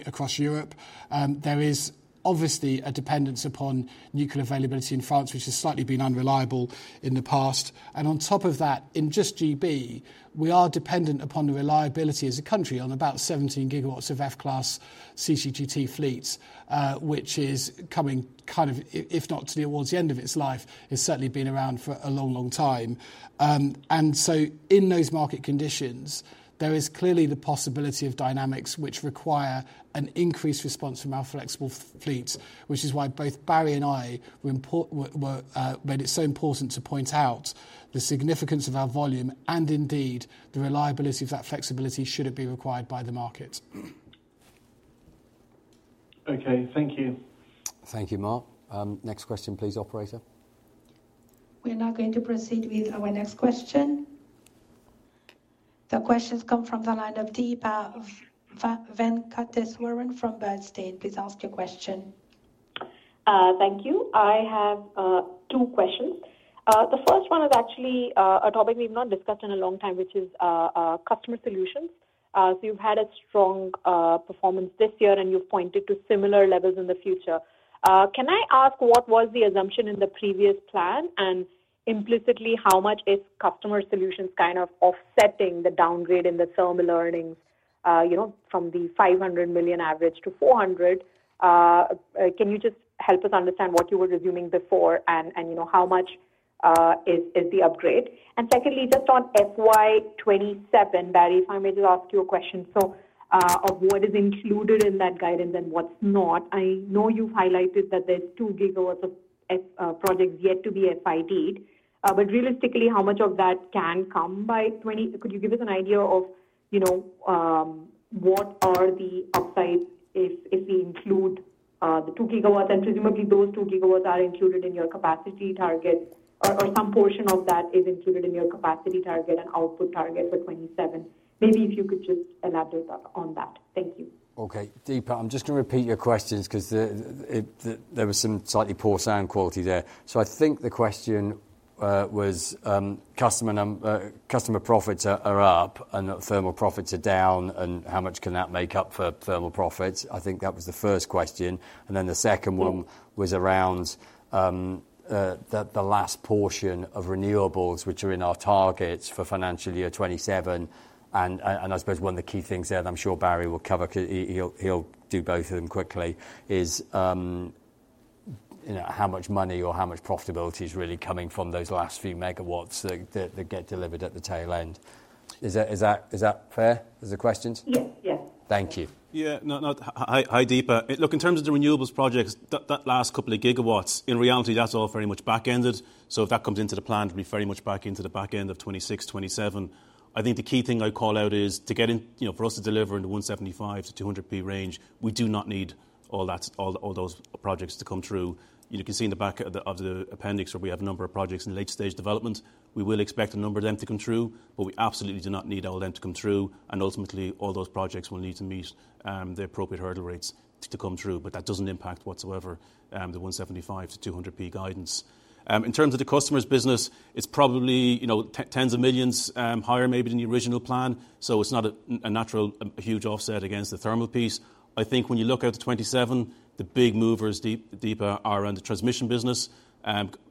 across Europe. There is obviously a dependence upon nuclear availability in France, which has slightly been unreliable in the past. On top of that, in just GB, we are dependent upon the reliability as a country on about 17 GW of F-class CCGT fleets, which is coming kind of if not towards the end of its life, it's certainly been around for a long, long time. And so in those market conditions, there is clearly the possibility of dynamics which require an increased response from our flexible fleet, which is why both Barry and I made it so important to point out the significance of our volume and indeed, the reliability of that flexibility should it be required by the market. Okay, thank you. Thank you, Mark. Next question, please, operator. We are now going to proceed with our next question. The question's come from the line of Deepa Venkateswaran from Bernstein. Please ask your question. Thank you. I have two questions. The first one is actually a topic we've not discussed in a long time, which is customer solutions. So you've had a strong performance this year, and you've pointed to similar levels in the future. Can I ask what was the assumption in the previous plan? And implicitly, how much is customer solutions kind of offsetting the downgrade in the thermal earnings, you know, from the 500 million average to 400 million? Can you just help us understand what you were assuming before and, you know, how much is the upgrade? And secondly, just on FY 2027, Barry, if I may just ask you a question. So, of what is included in that guidance and what's not. I know you've highlighted that there's 2 GW of projects yet to be FID-ed, but realistically, how much of that can come by 20...? Could you give us an idea of, you know, what are the upsides if we include the 2 GW? And presumably, those 2 GW are included in your capacity target, or some portion of that is included in your capacity target and output target for 2027. Maybe if you could just elaborate on that. Thank you. Okay. Deepa, I'm just going to repeat your questions 'cause there was some slightly poor sound quality there. So I think the question was customer profits are up and thermal profits are down, and how much can that make up for thermal profits? I think that was the first question. And then the second one- was around the last portion of renewables, which are in our targets for financial year 2027. And I suppose one of the key things there, and I'm sure Barry will cover, he'll do both of them quickly, is you know, how much money or how much profitability is really coming from those last few megawatts that get delivered at the tail end. Is that fair as the questions? Yeah. Yeah. Thank you. Yeah. No, no. Hi, Deepa. Look, in terms of the renewables projects, that last couple of gigawatts, in reality, that's all very much back-ended. So if that comes into the plan, it will be very much back into the back end of 2026, 2027. I think the key thing I'd call out is to get in, you know, for us to deliver in the 175-200p range, we do not need all that, all those projects to come through. You can see in the back of the, of the appendix where we have a number of projects in late stage development. We will expect a number of them to come through, but we absolutely do not need all of them to come through, and ultimately, all those projects will need to meet the appropriate hurdle rates to come through. But that doesn't impact whatsoever the 175p-200p guidance. In terms of the customer's business, it's probably, you know, tens of millions higher maybe than the original plan, so it's not a natural huge offset against the thermal piece. I think when you look out to 2027, the big movers, Deepa, are around the transmission business,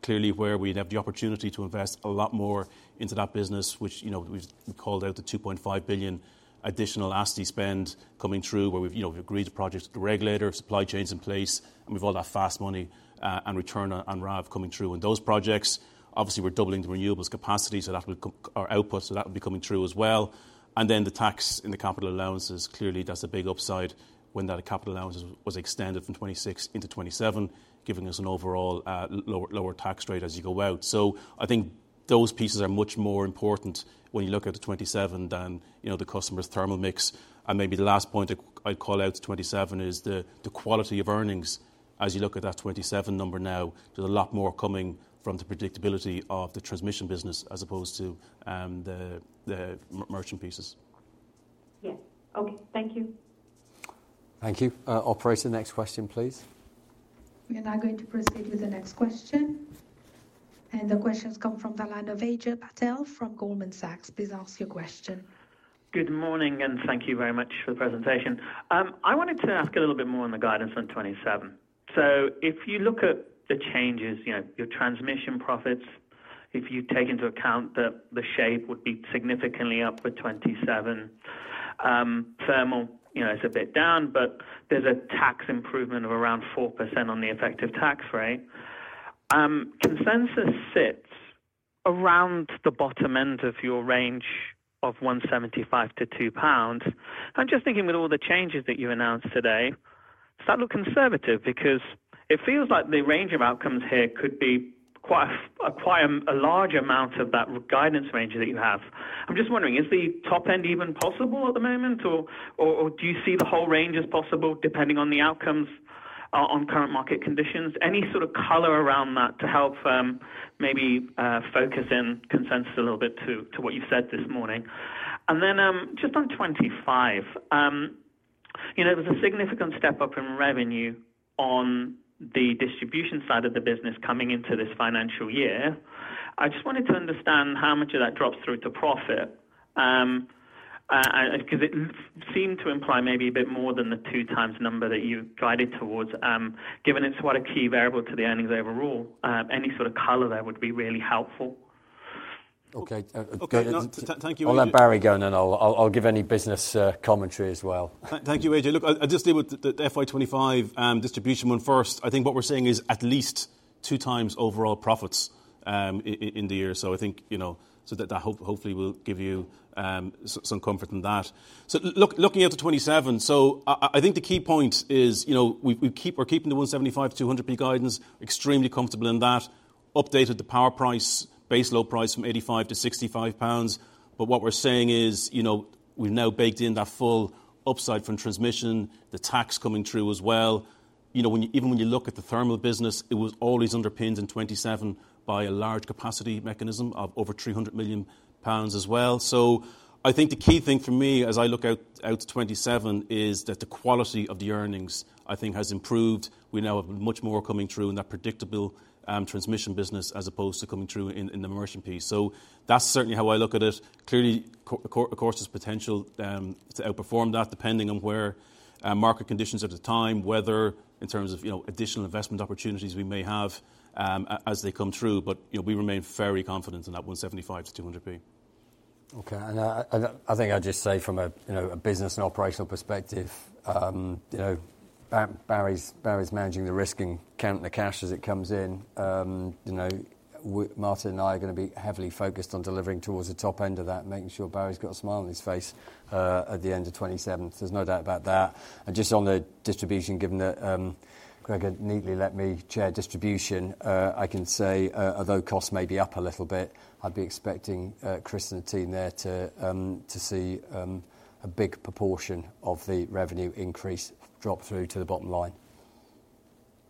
clearly where we'd have the opportunity to invest a lot more into that business, which, you know, we've called out the 2.5 billion additional ASTI spend coming through, where we've, you know, we've agreed to projects with the regulator, supply chains in place, and we've all that fast money and return on RAV coming through. In those projects, obviously, we're doubling the renewables capacity, so that will co- or output, so that would be coming through as well. And then the tax and the capital allowances, clearly, that's a big upside when that capital allowance was extended from 2026 into 2027, giving us an overall, lower tax rate as you go out. So I think those pieces are much more important when you look at the 2027 than, you know, the customer's thermal mix. And maybe the last point that I'd call out to 2027 is the quality of earnings. As you look at that 2027 number now, there's a lot more coming from the predictability of the transmission business as opposed to the merchant pieces. Yes. Okay, thank you. Thank you. Operator, next question, please. We are now going to proceed with the next question, and the question's come from the line of Ajay Patel from Goldman Sachs. Please ask your question. Good morning, and thank you very much for the presentation. I wanted to ask a little bit more on the guidance on 2027. So if you look at the changes, you know, your transmission profits, if you take into account that the shape would be significantly up with 2027, thermal, you know, is a bit down, but there's a tax improvement of around 4% on the effective tax rate. Consensus sits around the bottom end of your range of 1.75-2 pounds. I'm just thinking, with all the changes that you announced today, does that look conservative? Because it feels like the range of outcomes here could be quite a large amount of that guidance range that you have. I'm just wondering, is the top end even possible at the moment, or do you see the whole range as possible, depending on the outcomes on current market conditions? Any sort of color around that to help maybe focus in consensus a little bit to what you've said this morning. And then, just on 2025, you know, there's a significant step-up in revenue on the distribution side of the business coming into this financial year. I just wanted to understand how much of that drops through to profit. And, 'cause it seemed to imply maybe a bit more than the 2x number that you guided towards. Given it's quite a key variable to the earnings overall, any sort of color there would be really helpful. Okay. Uh- Okay. Thank you, Ajay. I'll let Barry go on, and I'll give any business commentary as well. Thank you, Ajay. Look, I, I'll just deal with the FY 2025 distribution one first. I think what we're seeing is at least 2x overall profits in the year. So I think, you know, so that hopefully will give you some comfort in that. So looking out to 2027, so I think the key point is, you know, we keep... we're keeping the 175-200p guidance, extremely comfortable in that. Updated the power price, base load price from 85 to 65 pounds. But what we're saying is, you know, we've now baked in that full upside from transmission, the tax coming through as well. You know, when you even when you look at the thermal business, it was always underpinned in 2027 by a large capacity mechanism of over 300 million pounds as well. So I think the key thing for me, as I look out to 2027, is that the quality of the earnings, I think, has improved. We now have much more coming through in that predictable transmission business, as opposed to coming through in the merchant piece. So that's certainly how I look at it. Clearly, of course, there's potential to outperform that, depending on where market conditions at the time, whether in terms of, you know, additional investment opportunities we may have, as they come through, but, you know, we remain very confident in that 175p-200p. Okay, and I think I'd just say from a, you know, a business and operational perspective, you know, Barry's managing the risk and counting the cash as it comes in. You know, Martin and I are gonna be heavily focused on delivering towards the top end of that and making sure Barry's got a smile on his face at the end of 2027. There's no doubt about that. And just on the distribution, given that, Gregor neatly let me chair distribution, I can say, although costs may be up a little bit, I'd be expecting Chris and the team there to see a big proportion of the revenue increase drop through to the bottom line.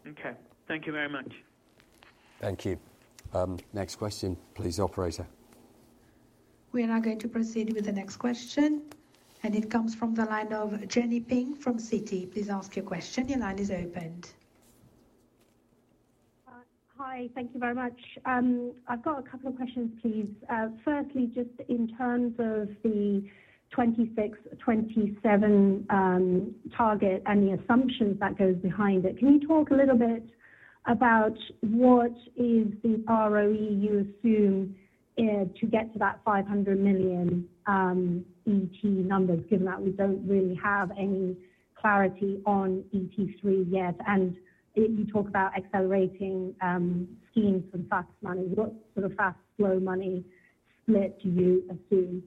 Okay. Thank you very much. Thank you. Next question, please, operator. We are now going to proceed with the next question, and it comes from the line of Jenny Ping from Citi. Please ask your question. Your line is opened. Hi, thank you very much. I've got a couple of questions, please. Firstly, just in terms of the 2026, 2027 target and the assumptions that goes behind it, can you talk a little bit about what is the ROE you assume to get to that 500 million ET numbers, given that we don't really have any clarity on ET3 yet? And you talk about accelerating schemes for fast money. What sort of fast, slow money split do you assume?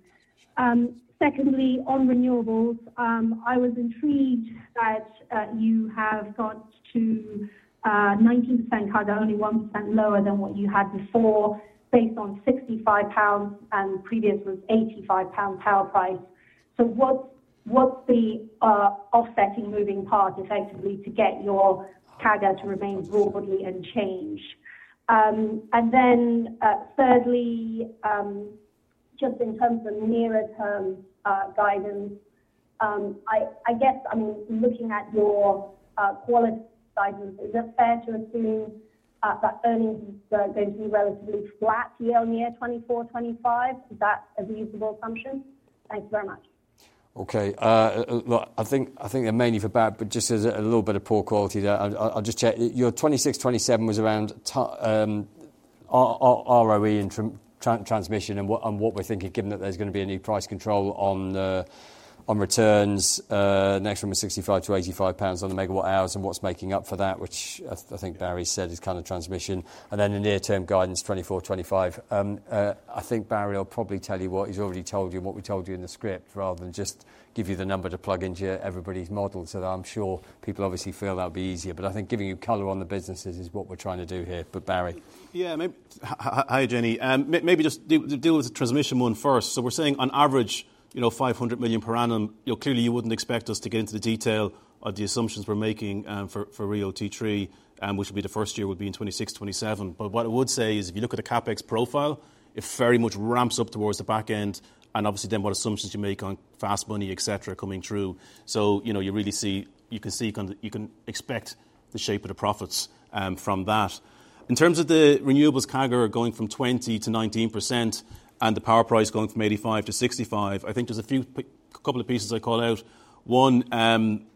Secondly, on renewables, I was intrigued that you have got to 19% CAGR, only 1% lower than what you had before, based on 65 pounds, and the previous was 85 pound power price. So what, what's the offsetting moving part, effectively, to get your CAGR to remain broadly unchanged? And then, thirdly, just in terms of nearer term guidance, I guess, I mean, looking at your quality guidance, is it fair to assume that earnings are going to be relatively flat year-over-year, 2024, 2025? Is that a reasonable assumption? Thank you very much. Okay, look, I think, I think they're mainly for bad, but just as a little bit of poor quality there, I'll just check. Your 2026, 2027 was around ROE in transmission and what, and what we're thinking, given that there's gonna be a new price control on the, on returns, next from the GBP 65-GBP 85 per megawatt hour, and what's making up for that, which I think Barry said is kind of transmission, and then the near-term guidance, 2024, 2025. I think Barry will probably tell you what he's already told you, and what we told you in the script, rather than just give you the number to plug into everybody's model. I'm sure people obviously feel that would be easier, but I think giving you color on the businesses is what we're trying to do here. But Barry. Yeah, hi, Jenny. Maybe just deal with the transmission one first. So we're saying on average, you know, 500 million per annum. You know, clearly, you wouldn't expect us to get into the detail of the assumptions we're making, for RIIO-T3, which will be the first year would be in 2026, 2027. But what I would say is if you look at the CapEx profile, it very much ramps up towards the back end, and obviously, then what assumptions you make on fast money, et cetera, coming through. So, you know, you really see, you can see you can expect the shape of the profits, from that. In terms of the renewables CAGR going from 20% to 19% and the power price going from 85 to 65, I think there's a few couple of pieces I'd call out. One,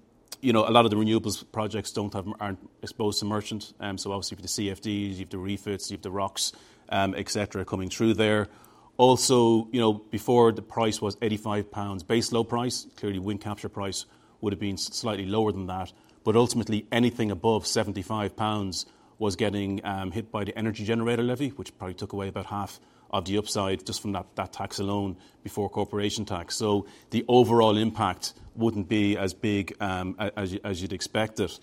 you know, a lot of the renewables projects don't have, aren't exposed to merchant. So obviously, for the CfDs, you have the FITs, you have the ROCs, et cetera, coming through there. Also, you know, before the price was 85 pounds, base load price, clearly, wind capture price would have been slightly lower than that. But ultimately, anything above 75 pounds was getting hit by the energy generator levy, which probably took away about half of the upside just from that, that tax alone before corporation tax. So the overall impact wouldn't be as big, as you'd expect it.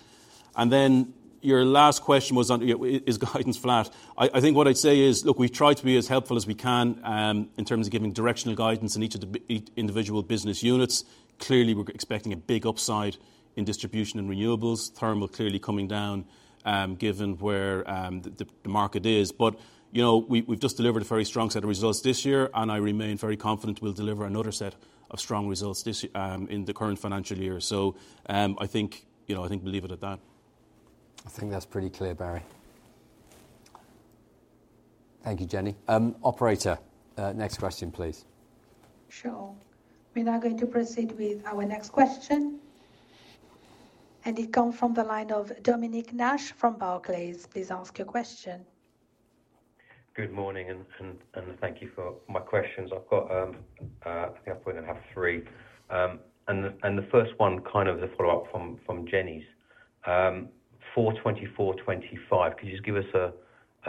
And then your last question was on, you know, is guidance flat? I think what I'd say is, look, we've tried to be as helpful as we can, in terms of giving directional guidance in each of the each individual business units. Clearly, we're expecting a big upside in distribution and renewables, thermal clearly coming down, given where the market is. But, you know, we've just delivered a very strong set of results this year, and I remain very confident we'll deliver another set of strong results this year, in the current financial year. So, I think, you know, I think we'll leave it at that. I think that's pretty clear, Barry. Thank you, Jenny. Operator, next question, please. Sure. We're now going to proceed with our next question, and it comes from the line of Dominic Nash from Barclays. Please ask your question. Good morning, and thank you for my questions. I've got, I think I probably gonna have three. And the first one, kind of the follow-up from Jenny's. For 2024, 2025, could you just give us a,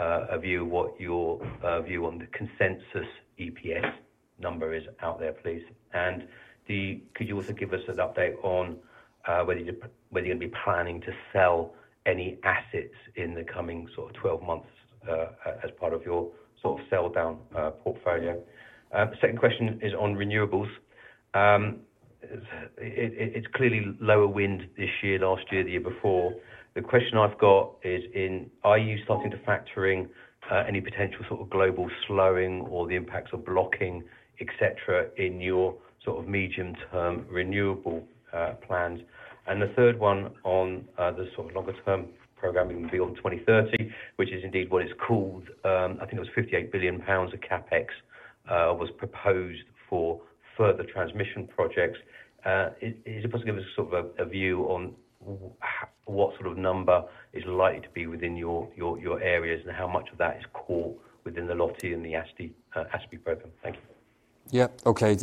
a view of what your view on the consensus EPS number is out there, please? And... Could you also give us an update on whether you're gonna be planning to sell any assets in the coming sort of 12 months, as part of your sort of sell-down portfolio? Second question is on renewables. It's clearly lower wind this year, last year, the year before. The question I've got is are you starting to factoring any potential sort of global slowing or the impacts of blocking, et cetera, in your sort of medium-term renewable plans? And the third one on the sort of longer-term programming beyond 2030, which is indeed what it's called. I think it was 58 billion pounds of CapEx was proposed for further transmission projects. Is it possible to give us sort of a view on what sort of number is likely to be within your areas, and how much of that is caught within the LOTI and the ASTI program? Thank you. Yeah. Okay. I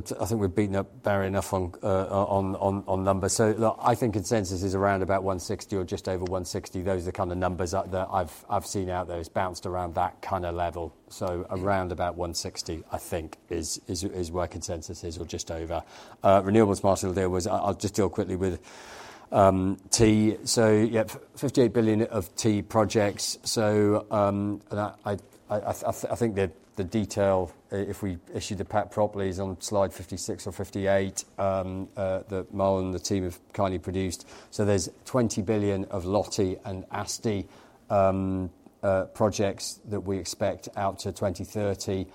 think we've beaten up Barry enough on numbers. So look, I think consensus is around about 160 or just over 160. Those are the kind of numbers out there. I've seen those bounced around that kind of level. So around about 160, I think, is where consensus is or just over. Renewables part of the deal was, I'll just deal quickly with T. So yeah, 58 billion of T projects. So, and I think the detail, if we issue the PAT properly is on slide 56 or 58, that Mull and the team have kindly produced. So there's 20 billion of LOTI and ASTI projects that we expect out to 2030.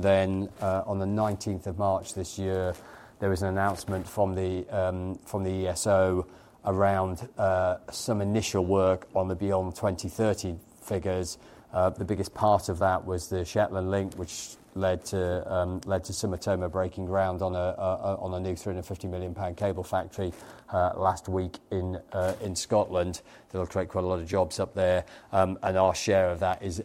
Then, on the 19th of March this year, there was an announcement from the ESO around some initial work on the Beyond 2030 figures. The biggest part of that was the Shetland Link, which led to Sumitomo breaking ground on a new 350 million pound cable factory last week in Scotland. It'll create quite a lot of jobs up there, and our share of that is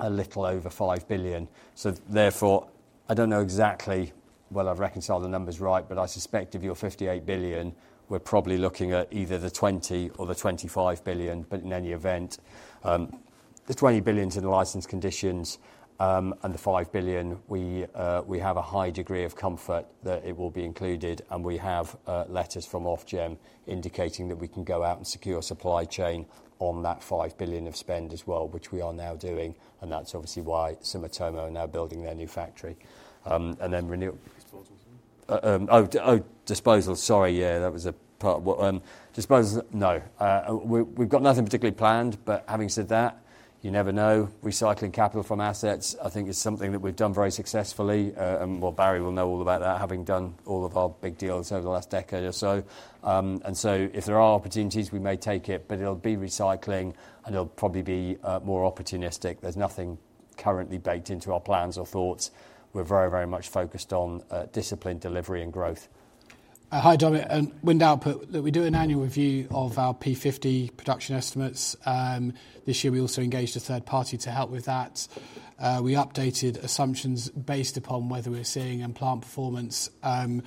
a little over 5 billion. So therefore, I don't know exactly whether I've reconciled the numbers right, but I suspect if you're 58 billion, we're probably looking at either the 20 or the 25 billion. But in any event, the 20 billion to the license conditions, and the 5 billion, we have a high degree of comfort that it will be included, and we have letters from Ofgem indicating that we can go out and secure a supply chain on that 5 billion of spend as well, which we are now doing, and that's obviously why Sumitomo are now building their new factory. And then renew- Disposal? Disposal. Sorry, yeah, that was a part of what... Disposal, no. We've got nothing particularly planned, but having said that, you never know. Recycling capital from assets, I think is something that we've done very successfully, and well, Barry will know all about that, having done all of our big deals over the last decade or so. And so if there are opportunities, we may take it, but it'll be recycling, and it'll probably be more opportunistic. There's nothing currently baked into our plans or thoughts. We're very, very much focused on disciplined delivery and growth. ... Hi, Dominic. And wind output, look, we do an annual review of our P50 production estimates. This year, we also engaged a third-party to help with that. We updated assumptions based upon what we're seeing in plant performance, and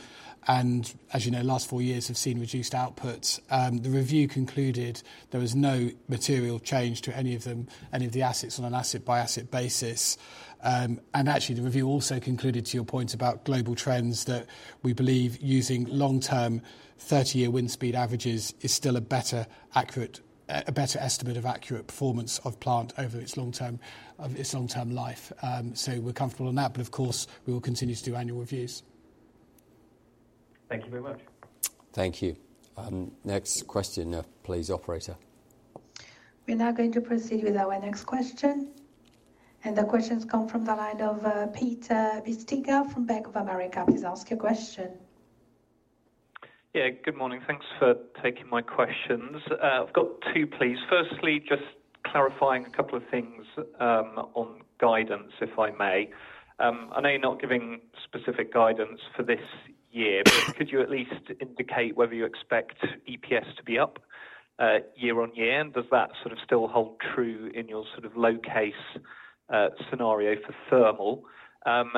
as you know, last four years have seen reduced outputs. The review concluded there was no material change to any of them, any of the assets on an asset-by-asset basis. And actually, the review also concluded, to your point about global trends, that we believe using long-term, 30-year wind speed averages is still a better accurate, a better estimate of accurate performance of plant over its long-term, of its long-term life. So we're comfortable on that, but of course, we will continue to do annual reviews. Thank you very much. Thank you. Next question, please, operator. We're now going to proceed with our next question, and the question's come from the line of Peter Bisztyga from Bank of America. Please ask your question. Yeah, good morning. Thanks for taking my questions. I've got two, please. Firstly, just clarifying a couple of things, on guidance, if I may. I know you're not giving specific guidance for this year - but could you at least indicate whether you expect EPS to be up, year on year? And does that sort of still hold true in your sort of low case, scenario for thermal? And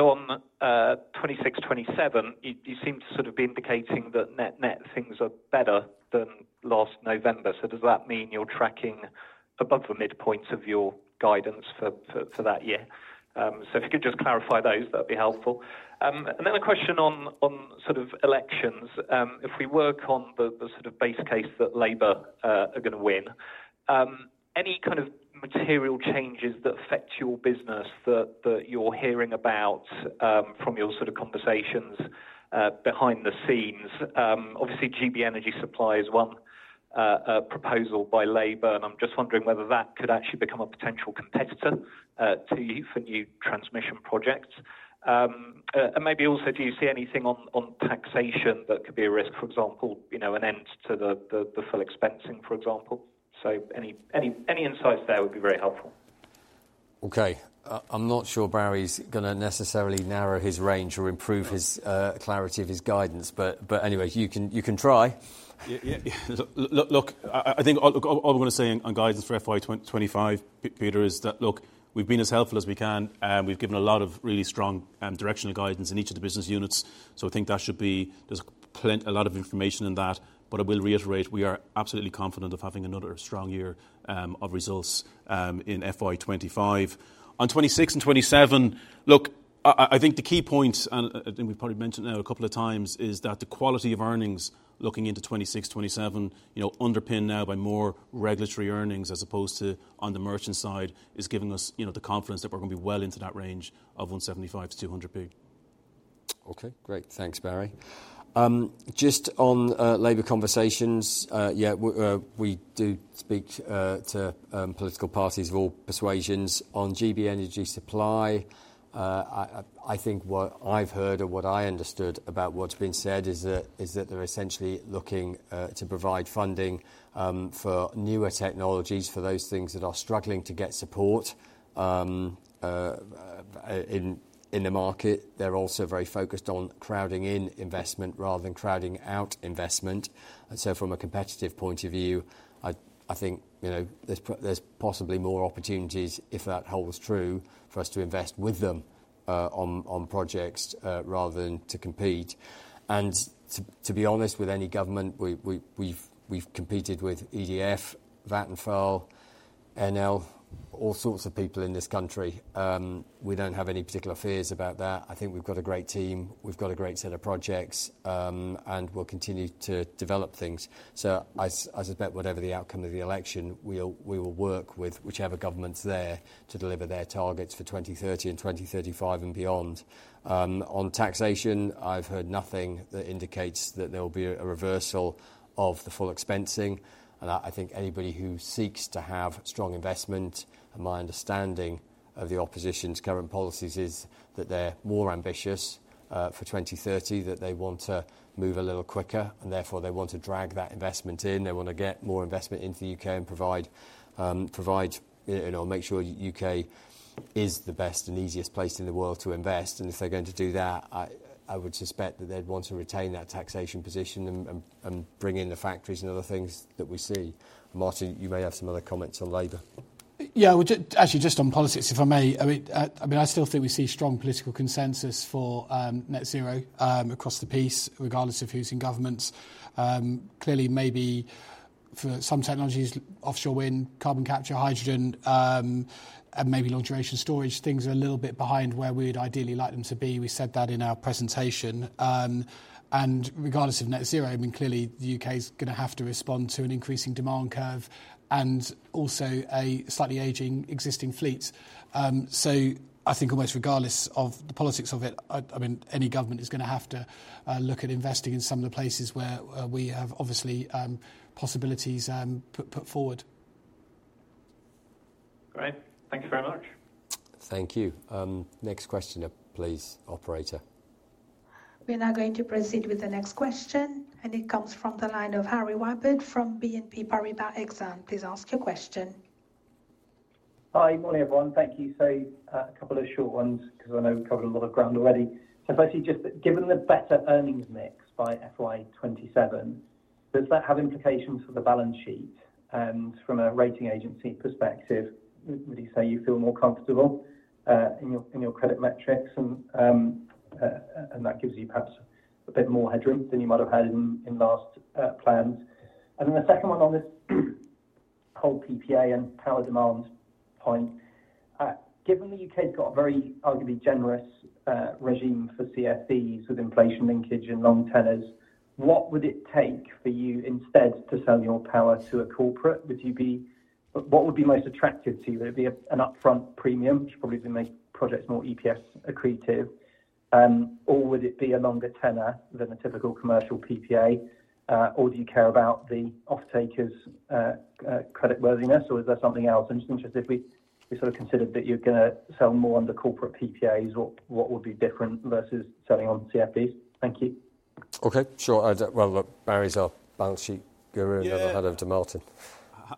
on, 2026, 2027, you seem to sort of be indicating that net, net things are better than last November. So does that mean you're tracking above the midpoints of your guidance for that year? So if you could just clarify those, that'd be helpful. And then a question on sort of elections. If we work on the sort of base case that Labour are gonna win, any kind of material changes that affect your business that you're hearing about from your sort of conversations behind the scenes? Obviously, GB Energy Supply is one proposal by Labour, and I'm just wondering whether that could actually become a potential competitor to you for new transmission projects. And maybe also, do you see anything on taxation that could be a risk? For example, you know, an end to the full expensing, for example. So any insights there would be very helpful. Okay. I'm not sure Barry's gonna necessarily narrow his range or improve his clarity of his guidance, but anyway, you can try. Yeah, yeah. Look, I think, look, all I'm gonna say on guidance for FY 2025, Peter, is that, look, we've been as helpful as we can, and we've given a lot of really strong directional guidance in each of the business units. So I think that should be... There's a lot of information in that. But I will reiterate, we are absolutely confident of having another strong year of results in FY 2025. On 2026 and 2027, look, I think the key points, and we've probably mentioned now a couple of times, is that the quality of earnings looking into 2026, 2027, you know, underpinned now by more regulatory earnings as opposed to on the merchant side, is giving us, you know, the confidence that we're gonna be well into that range of 175-200p. Okay, great. Thanks, Barry. Just on Labour conversations, yeah, we do speak to political parties of all persuasions. On GB Energy Supply, I think what I've heard or what I understood about what's been said is that they're essentially looking to provide funding for newer technologies, for those things that are struggling to get support in the market. They're also very focused on crowding in investment rather than crowding out investment. And so from a competitive point of view, I think, you know, there's possibly more opportunities, if that holds true, for us to invest with them on projects rather than to compete. And to be honest, with any government, we've competed with EDF, Vattenfall, Enel, all sorts of people in this country. We don't have any particular fears about that. I think we've got a great team, we've got a great set of projects, and we'll continue to develop things. So I suspect whatever the outcome of the election, we will work with whichever government's there to deliver their targets for 2030 and 2035 and beyond. On taxation, I've heard nothing that indicates that there will be a reversal of the full expensing, and I think anybody who seeks to have strong investment, and my understanding of the opposition's current policies, is that they're more ambitious, for 2030, that they want to move a little quicker, and therefore, they want to drag that investment in. They wanna get more investment into the U.K. and provide, provide, you know, make sure U.K. is the best and easiest place in the world to invest. If they're going to do that, I would suspect that they'd want to retain that taxation position and bring in the factories and other things that we see. Martin, you may have some other comments on Labour. Yeah, well, actually, just on politics, if I may. I mean, I mean, I still think we see strong political consensus for net zero across the piece, regardless of who's in government. Clearly, maybe for some technologies, offshore wind, carbon capture, hydrogen, and maybe long-duration storage, things are a little bit behind where we'd ideally like them to be. We said that in our presentation. Regardless of net zero, I mean, clearly, the U.K.'s gonna have to respond to an increasing demand curve and also a slightly aging existing fleet. I think almost regardless of the politics of it, I mean, any government is gonna have to look at investing in some of the places where we have obviously possibilities put forward. Great. Thank you very much. Thank you. Next question, please, operator. We're now going to proceed with the next question, and it comes from the line of Harry Wyburd from BNP Paribas Exane. Please ask your question.... Hi, morning, everyone. Thank you. So, a couple of short ones, 'cause I know we've covered a lot of ground already. So firstly, just given the better earnings mix by FY 2027, does that have implications for the balance sheet? And from a rating agency perspective, would you say you feel more comfortable in your credit metrics, and that gives you perhaps a bit more headroom than you might have had in last plans? And then the second one on this whole PPA and power demand point, given the U.K.'s got a very arguably generous regime for CfDs with inflation linkage and long tenors, what would it take for you instead to sell your power to a corporate? Would you be? What would be most attractive to you? Would it be an upfront premium, which probably would make projects more EPS accretive, or would it be a longer tenor than a typical commercial PPA, or do you care about the offtaker's creditworthiness, or is there something else? I'm just interested if we sort of considered that you're gonna sell more under corporate PPAs, what would be different versus selling on CfDs? Thank you. Okay, sure. Well, look, Barry's our balance sheet guru- Yeah. And then I'll hand over to Martin.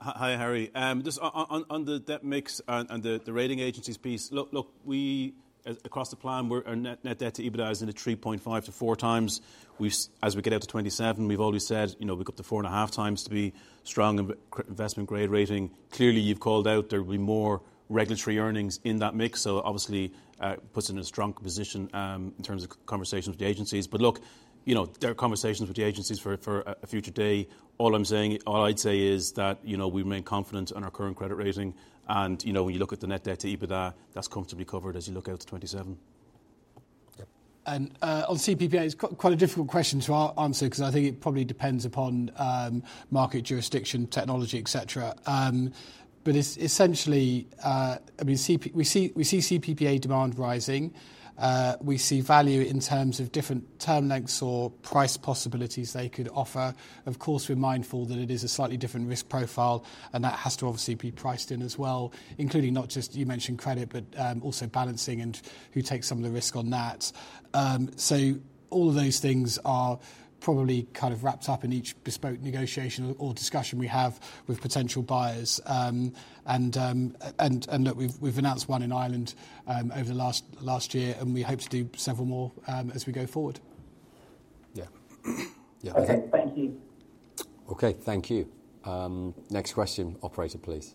Hi, Harry. Just on the debt mix and the rating agencies piece, look, we, as across the plan, we're, our net debt to EBITDA is in the 3.5x-4x. As we get out to 2027, we've always said, you know, we've got to 4.5x to be strong investment grade rating. Clearly, you've called out there will be more regulatory earnings in that mix, so obviously, puts us in a strong position in terms of conversations with the agencies. But look, you know, there are conversations with the agencies for a future day. All I'm saying, all I'd say is that, you know, we remain confident on our current credit rating, and, you know, when you look at the net debt to EBITDA, that's comfortably covered as you look out to 2027. Yeah. On CPPA, it's quite a difficult question to answer 'cause I think it probably depends upon market jurisdiction, technology, et cetera. But essentially, I mean, CP, we see, we see CPPA demand rising. We see value in terms of different term lengths or price possibilities they could offer. Of course, we're mindful that it is a slightly different risk profile, and that has to obviously be priced in as well, including not just, you mentioned credit, but also balancing and who takes some of the risk on that. So all of those things are probably kind of wrapped up in each bespoke negotiation or discussion we have with potential buyers. And look, we've announced one in Ireland over the last year, and we hope to do several more as we go forward. Yeah. Yeah. Okay, thank you. Okay, thank you. Next question, operator, please.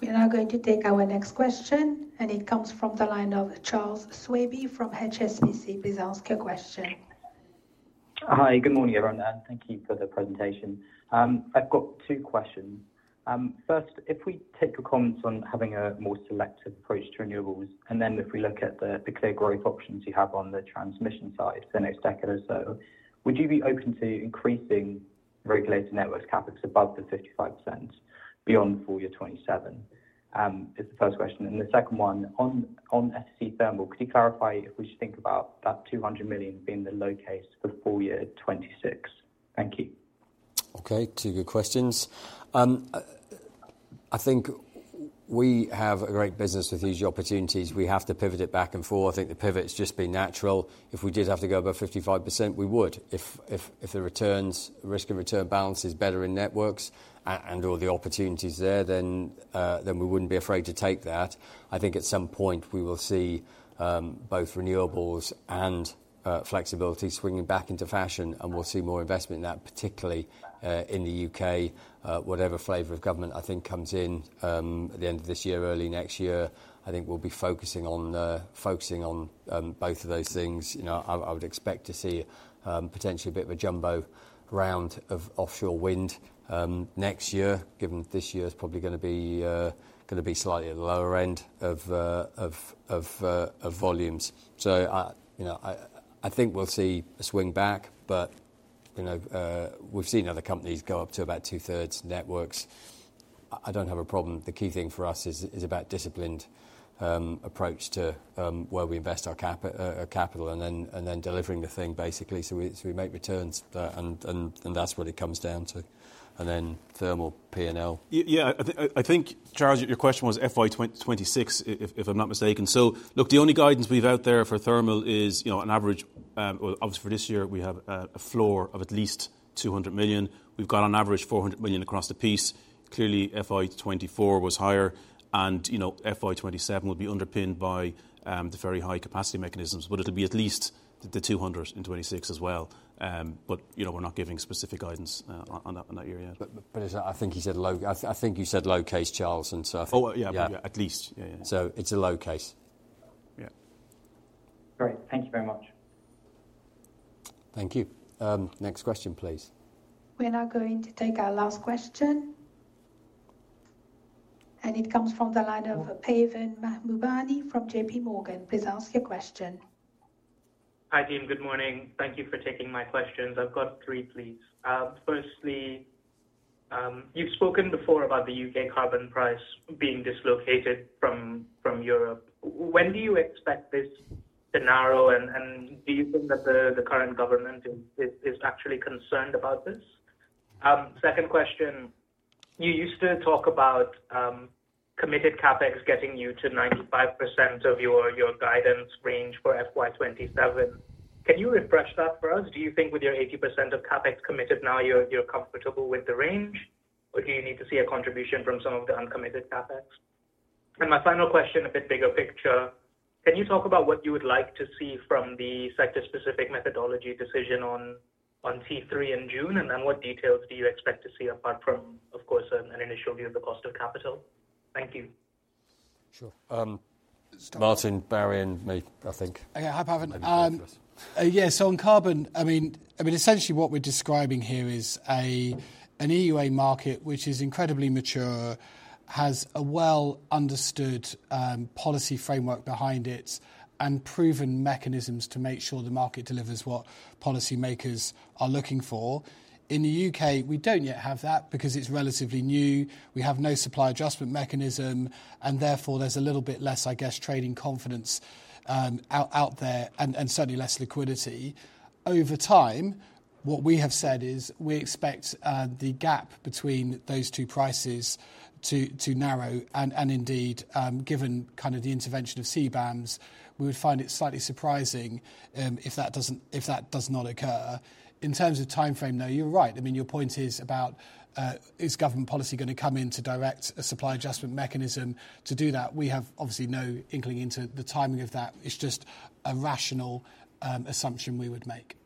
We are now going to take our next question, and it comes from the line of Charles Swabey from HSBC. Please ask your question. Hi, good morning, everyone, and thank you for the presentation. I've got two questions. First, if we take your comments on having a more selective approach to renewables, and then if we look at the clear growth options you have on the transmission side for the next decade or so, would you be open to increasing regulated networks CapEx above the 55%, beyond full year 2027? Is the first question, and the second one, on SSE Thermal, could you clarify if we should think about that 200 million being the low case for the full year 2026? Thank you. Okay, two good questions. I think we have a great business with these opportunities. We have to pivot it back and forth. I think the pivot's just been natural. If we did have to go above 55%, we would. If the returns, risk and return balance is better in networks and all the opportunities there, then we wouldn't be afraid to take that. I think at some point we will see both renewables and flexibility swinging back into fashion, and we'll see more investment in that, particularly in the U.K. Whatever flavor of government I think comes in at the end of this year, early next year, I think we'll be focusing on focusing on both of those things. You know, I would expect to see potentially a bit of a jumbo round of offshore wind next year, given this year is probably gonna be slightly at the lower end of volumes. So, you know, I think we'll see a swing back, but, you know, we've seen other companies go up to about 2/3 networks. I don't have a problem. The key thing for us is about a disciplined approach to where we invest our capital, and then delivering the thing basically, so we make returns. And that's what it comes down to. And then thermal P&L. Yeah, I think, Charles, your question was FY 2026, if I'm not mistaken. So look, the only guidance we've out there for thermal is, you know, on average, well, obviously, for this year, we have a floor of at least 200 million. We've got on average 400 million across the piece. Clearly, FY 2024 was higher, and, you know, FY 2027 will be underpinned by the very high capacity mechanisms, but it'll be at least the 200 million in 2026 as well. But, you know, we're not giving specific guidance on that, on that year yet. But I think he said low... I think you said low case, Charles, and so I think- Oh, yeah. Yeah. At least. Yeah, yeah. It's a low case. Yeah. Great. Thank you very much. Thank you. Next question, please. We're now going to take our last question, and it comes from the line of Pavan Mahbubani from JPMorgan. Please ask your question. Hi, team. Good morning. Thank you for taking my questions. I've got three, please. Firstly, you've spoken before about the U.K. carbon price being dislocated from Europe. When do you expect this to narrow, and do you think that the current government is actually concerned about this? Second question: You used to talk about committed CapEx getting you to 95% of your guidance range for FY 2027. Can you refresh that for us? Do you think with your 80% of CapEx committed now, you're comfortable with the range, or do you need to see a contribution from some of the uncommitted CapEx? And my final question, a bit bigger picture: Can you talk about what you would like to see from the sector-specific methodology decision on T3 in June? And then, what details do you expect to see, apart from, of course, an initial view of the cost of capital? Thank you. Sure. Martin, Barry, and me, I think. Okay, hi, Pavan. Yeah, so on carbon, I mean, essentially what we're describing here is an EUA market, which is incredibly mature, has a well-understood policy framework behind it, and proven mechanisms to make sure the market delivers what policymakers are looking for. In the U.K., we don't yet have that because it's relatively new. We have no supply adjustment mechanism, and therefore, there's a little bit less, I guess, trading confidence out there, and certainly less liquidity. Over time, what we have said is we expect the gap between those two prices to narrow, and indeed, given kind of the intervention of CBAMs, we would find it slightly surprising if that doesn't, if that does not occur. In terms of timeframe, though, you're right. I mean, your point is about, is government policy gonna come in to direct a supply adjustment mechanism? To do that, we have obviously no inkling into the timing of that. It's just a rational assumption we would make.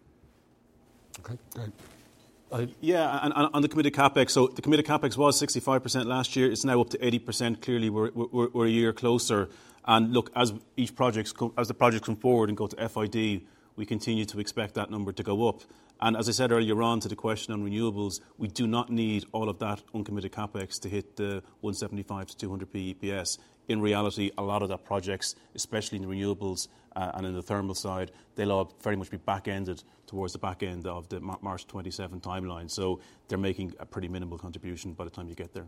Yeah, and on the committed CapEx, so the committed CapEx was 65% last year. It's now up to 80%. Clearly, we're a year closer. And look, as the projects come forward and go to FID, we continue to expect that number to go up. And as I said earlier on to the question on renewables, we do not need all of that uncommitted CapEx to hit the 175-200 PPS. In reality, a lot of the projects, especially in the renewables and in the thermal side, they'll all very much be back-ended towards the back end of the March 2027 timeline, so they're making a pretty minimal contribution by the time you get there.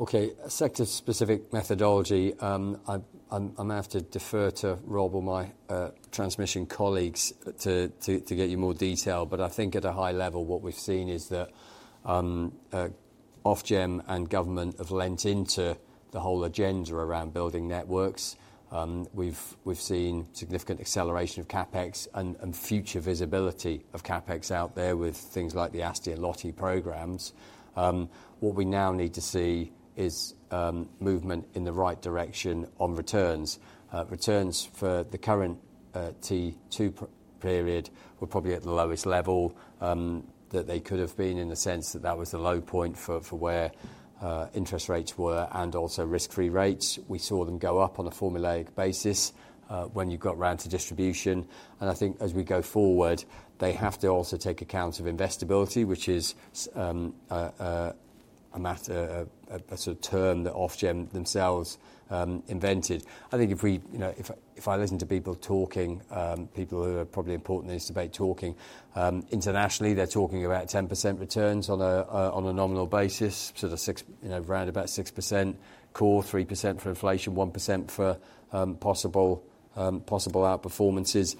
Okay, sector-specific methodology, I'm gonna have to defer to Rob or my transmission colleagues to get you more detail. But I think at a high level, what we've seen is that Ofgem and government have lent into the whole agenda around building networks. We've seen significant acceleration of CapEx and future visibility of CapEx out there with things like the ASTI and LOTI programs. What we now need to see is movement in the right direction on returns. Returns for the current T2 period were probably at the lowest level that they could have been, in the sense that that was the low point for where interest rates were and also risk-free rates. We saw them go up on a formulaic basis, when you got round to distribution, and I think as we go forward, they have to also take account of investability, which is a matter of a sort of term that Ofgem themselves invented. I think if we, you know, if I listen to people talking, people who are probably important in this debate talking, internationally, they're talking about 10% returns on a nominal basis, so the 6%, you know, round about 6% core, 3% for inflation, 1% for possible outperformances.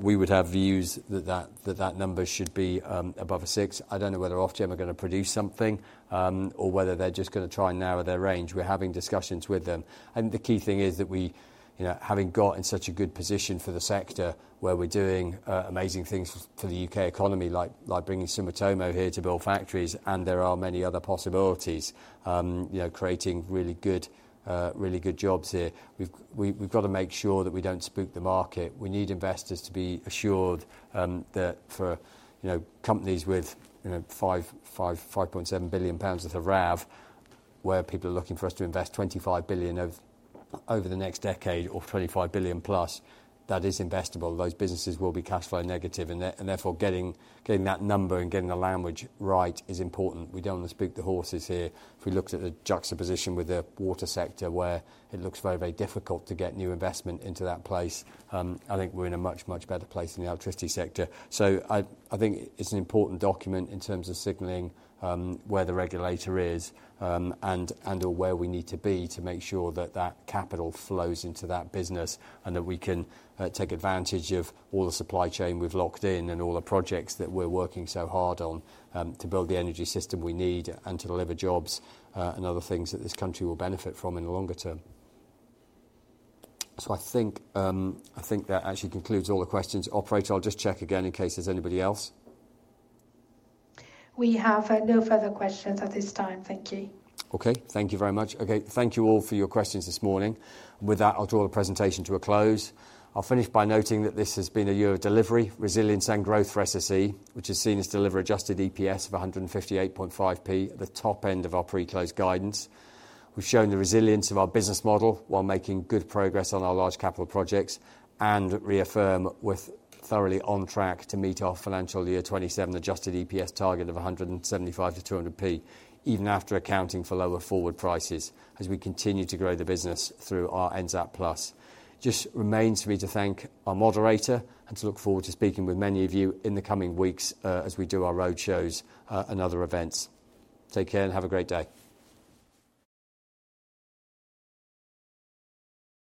We would have views that that number should be above a 6%. I don't know whether Ofgem are gonna produce something, or whether they're just gonna try and narrow their range. We're having discussions with them. The key thing is that we, you know, having got in such a good position for the sector, where we're doing amazing things for the U.K. economy, like bringing Sumitomo here to build factories, and there are many other possibilities, you know, creating really good jobs here. We've got to make sure that we don't spook the market. We need investors to be assured that for, you know, companies with, you know, 5.7 billion pounds worth of RAV, where people are looking for us to invest 25 billion over the next decade or 25+ billion, that is investable. Those businesses will be cash flow negative, and therefore, getting that number and getting the language right is important. We don't want to spook the horses here. If we looked at the juxtaposition with the water sector, where it looks very, very difficult to get new investment into that place, I think we're in a much, much better place in the electricity sector. So I think it's an important document in terms of signaling where the regulator is, and/or where we need to be to make sure that that capital flows into that business, and that we can take advantage of all the supply chain we've locked in and all the projects that we're working so hard on to build the energy system we need, and to deliver jobs, and other things that this country will benefit from in the longer term. So I think that actually concludes all the questions. Operator, I'll just check again in case there's anybody else. We have, no further questions at this time. Thank you. Okay, thank you very much. Okay, thank you all for your questions this morning. With that, I'll draw the presentation to a close. I'll finish by noting that this has been a year of delivery, resilience, and growth for SSE, which has seen us deliver adjusted EPS of 158.5p, the top end of our pre-close guidance. We've shown the resilience of our business model while making good progress on our large capital projects, and reaffirm we're thoroughly on track to meet our financial year 2027 adjusted EPS target of 175-200p, even after accounting for lower forward prices, as we continue to grow the business through our NZAP Plus. It just remains for me to thank our moderator and to look forward to speaking with many of you in the coming weeks, as we do our road shows, and other events. Take care, and have a great day.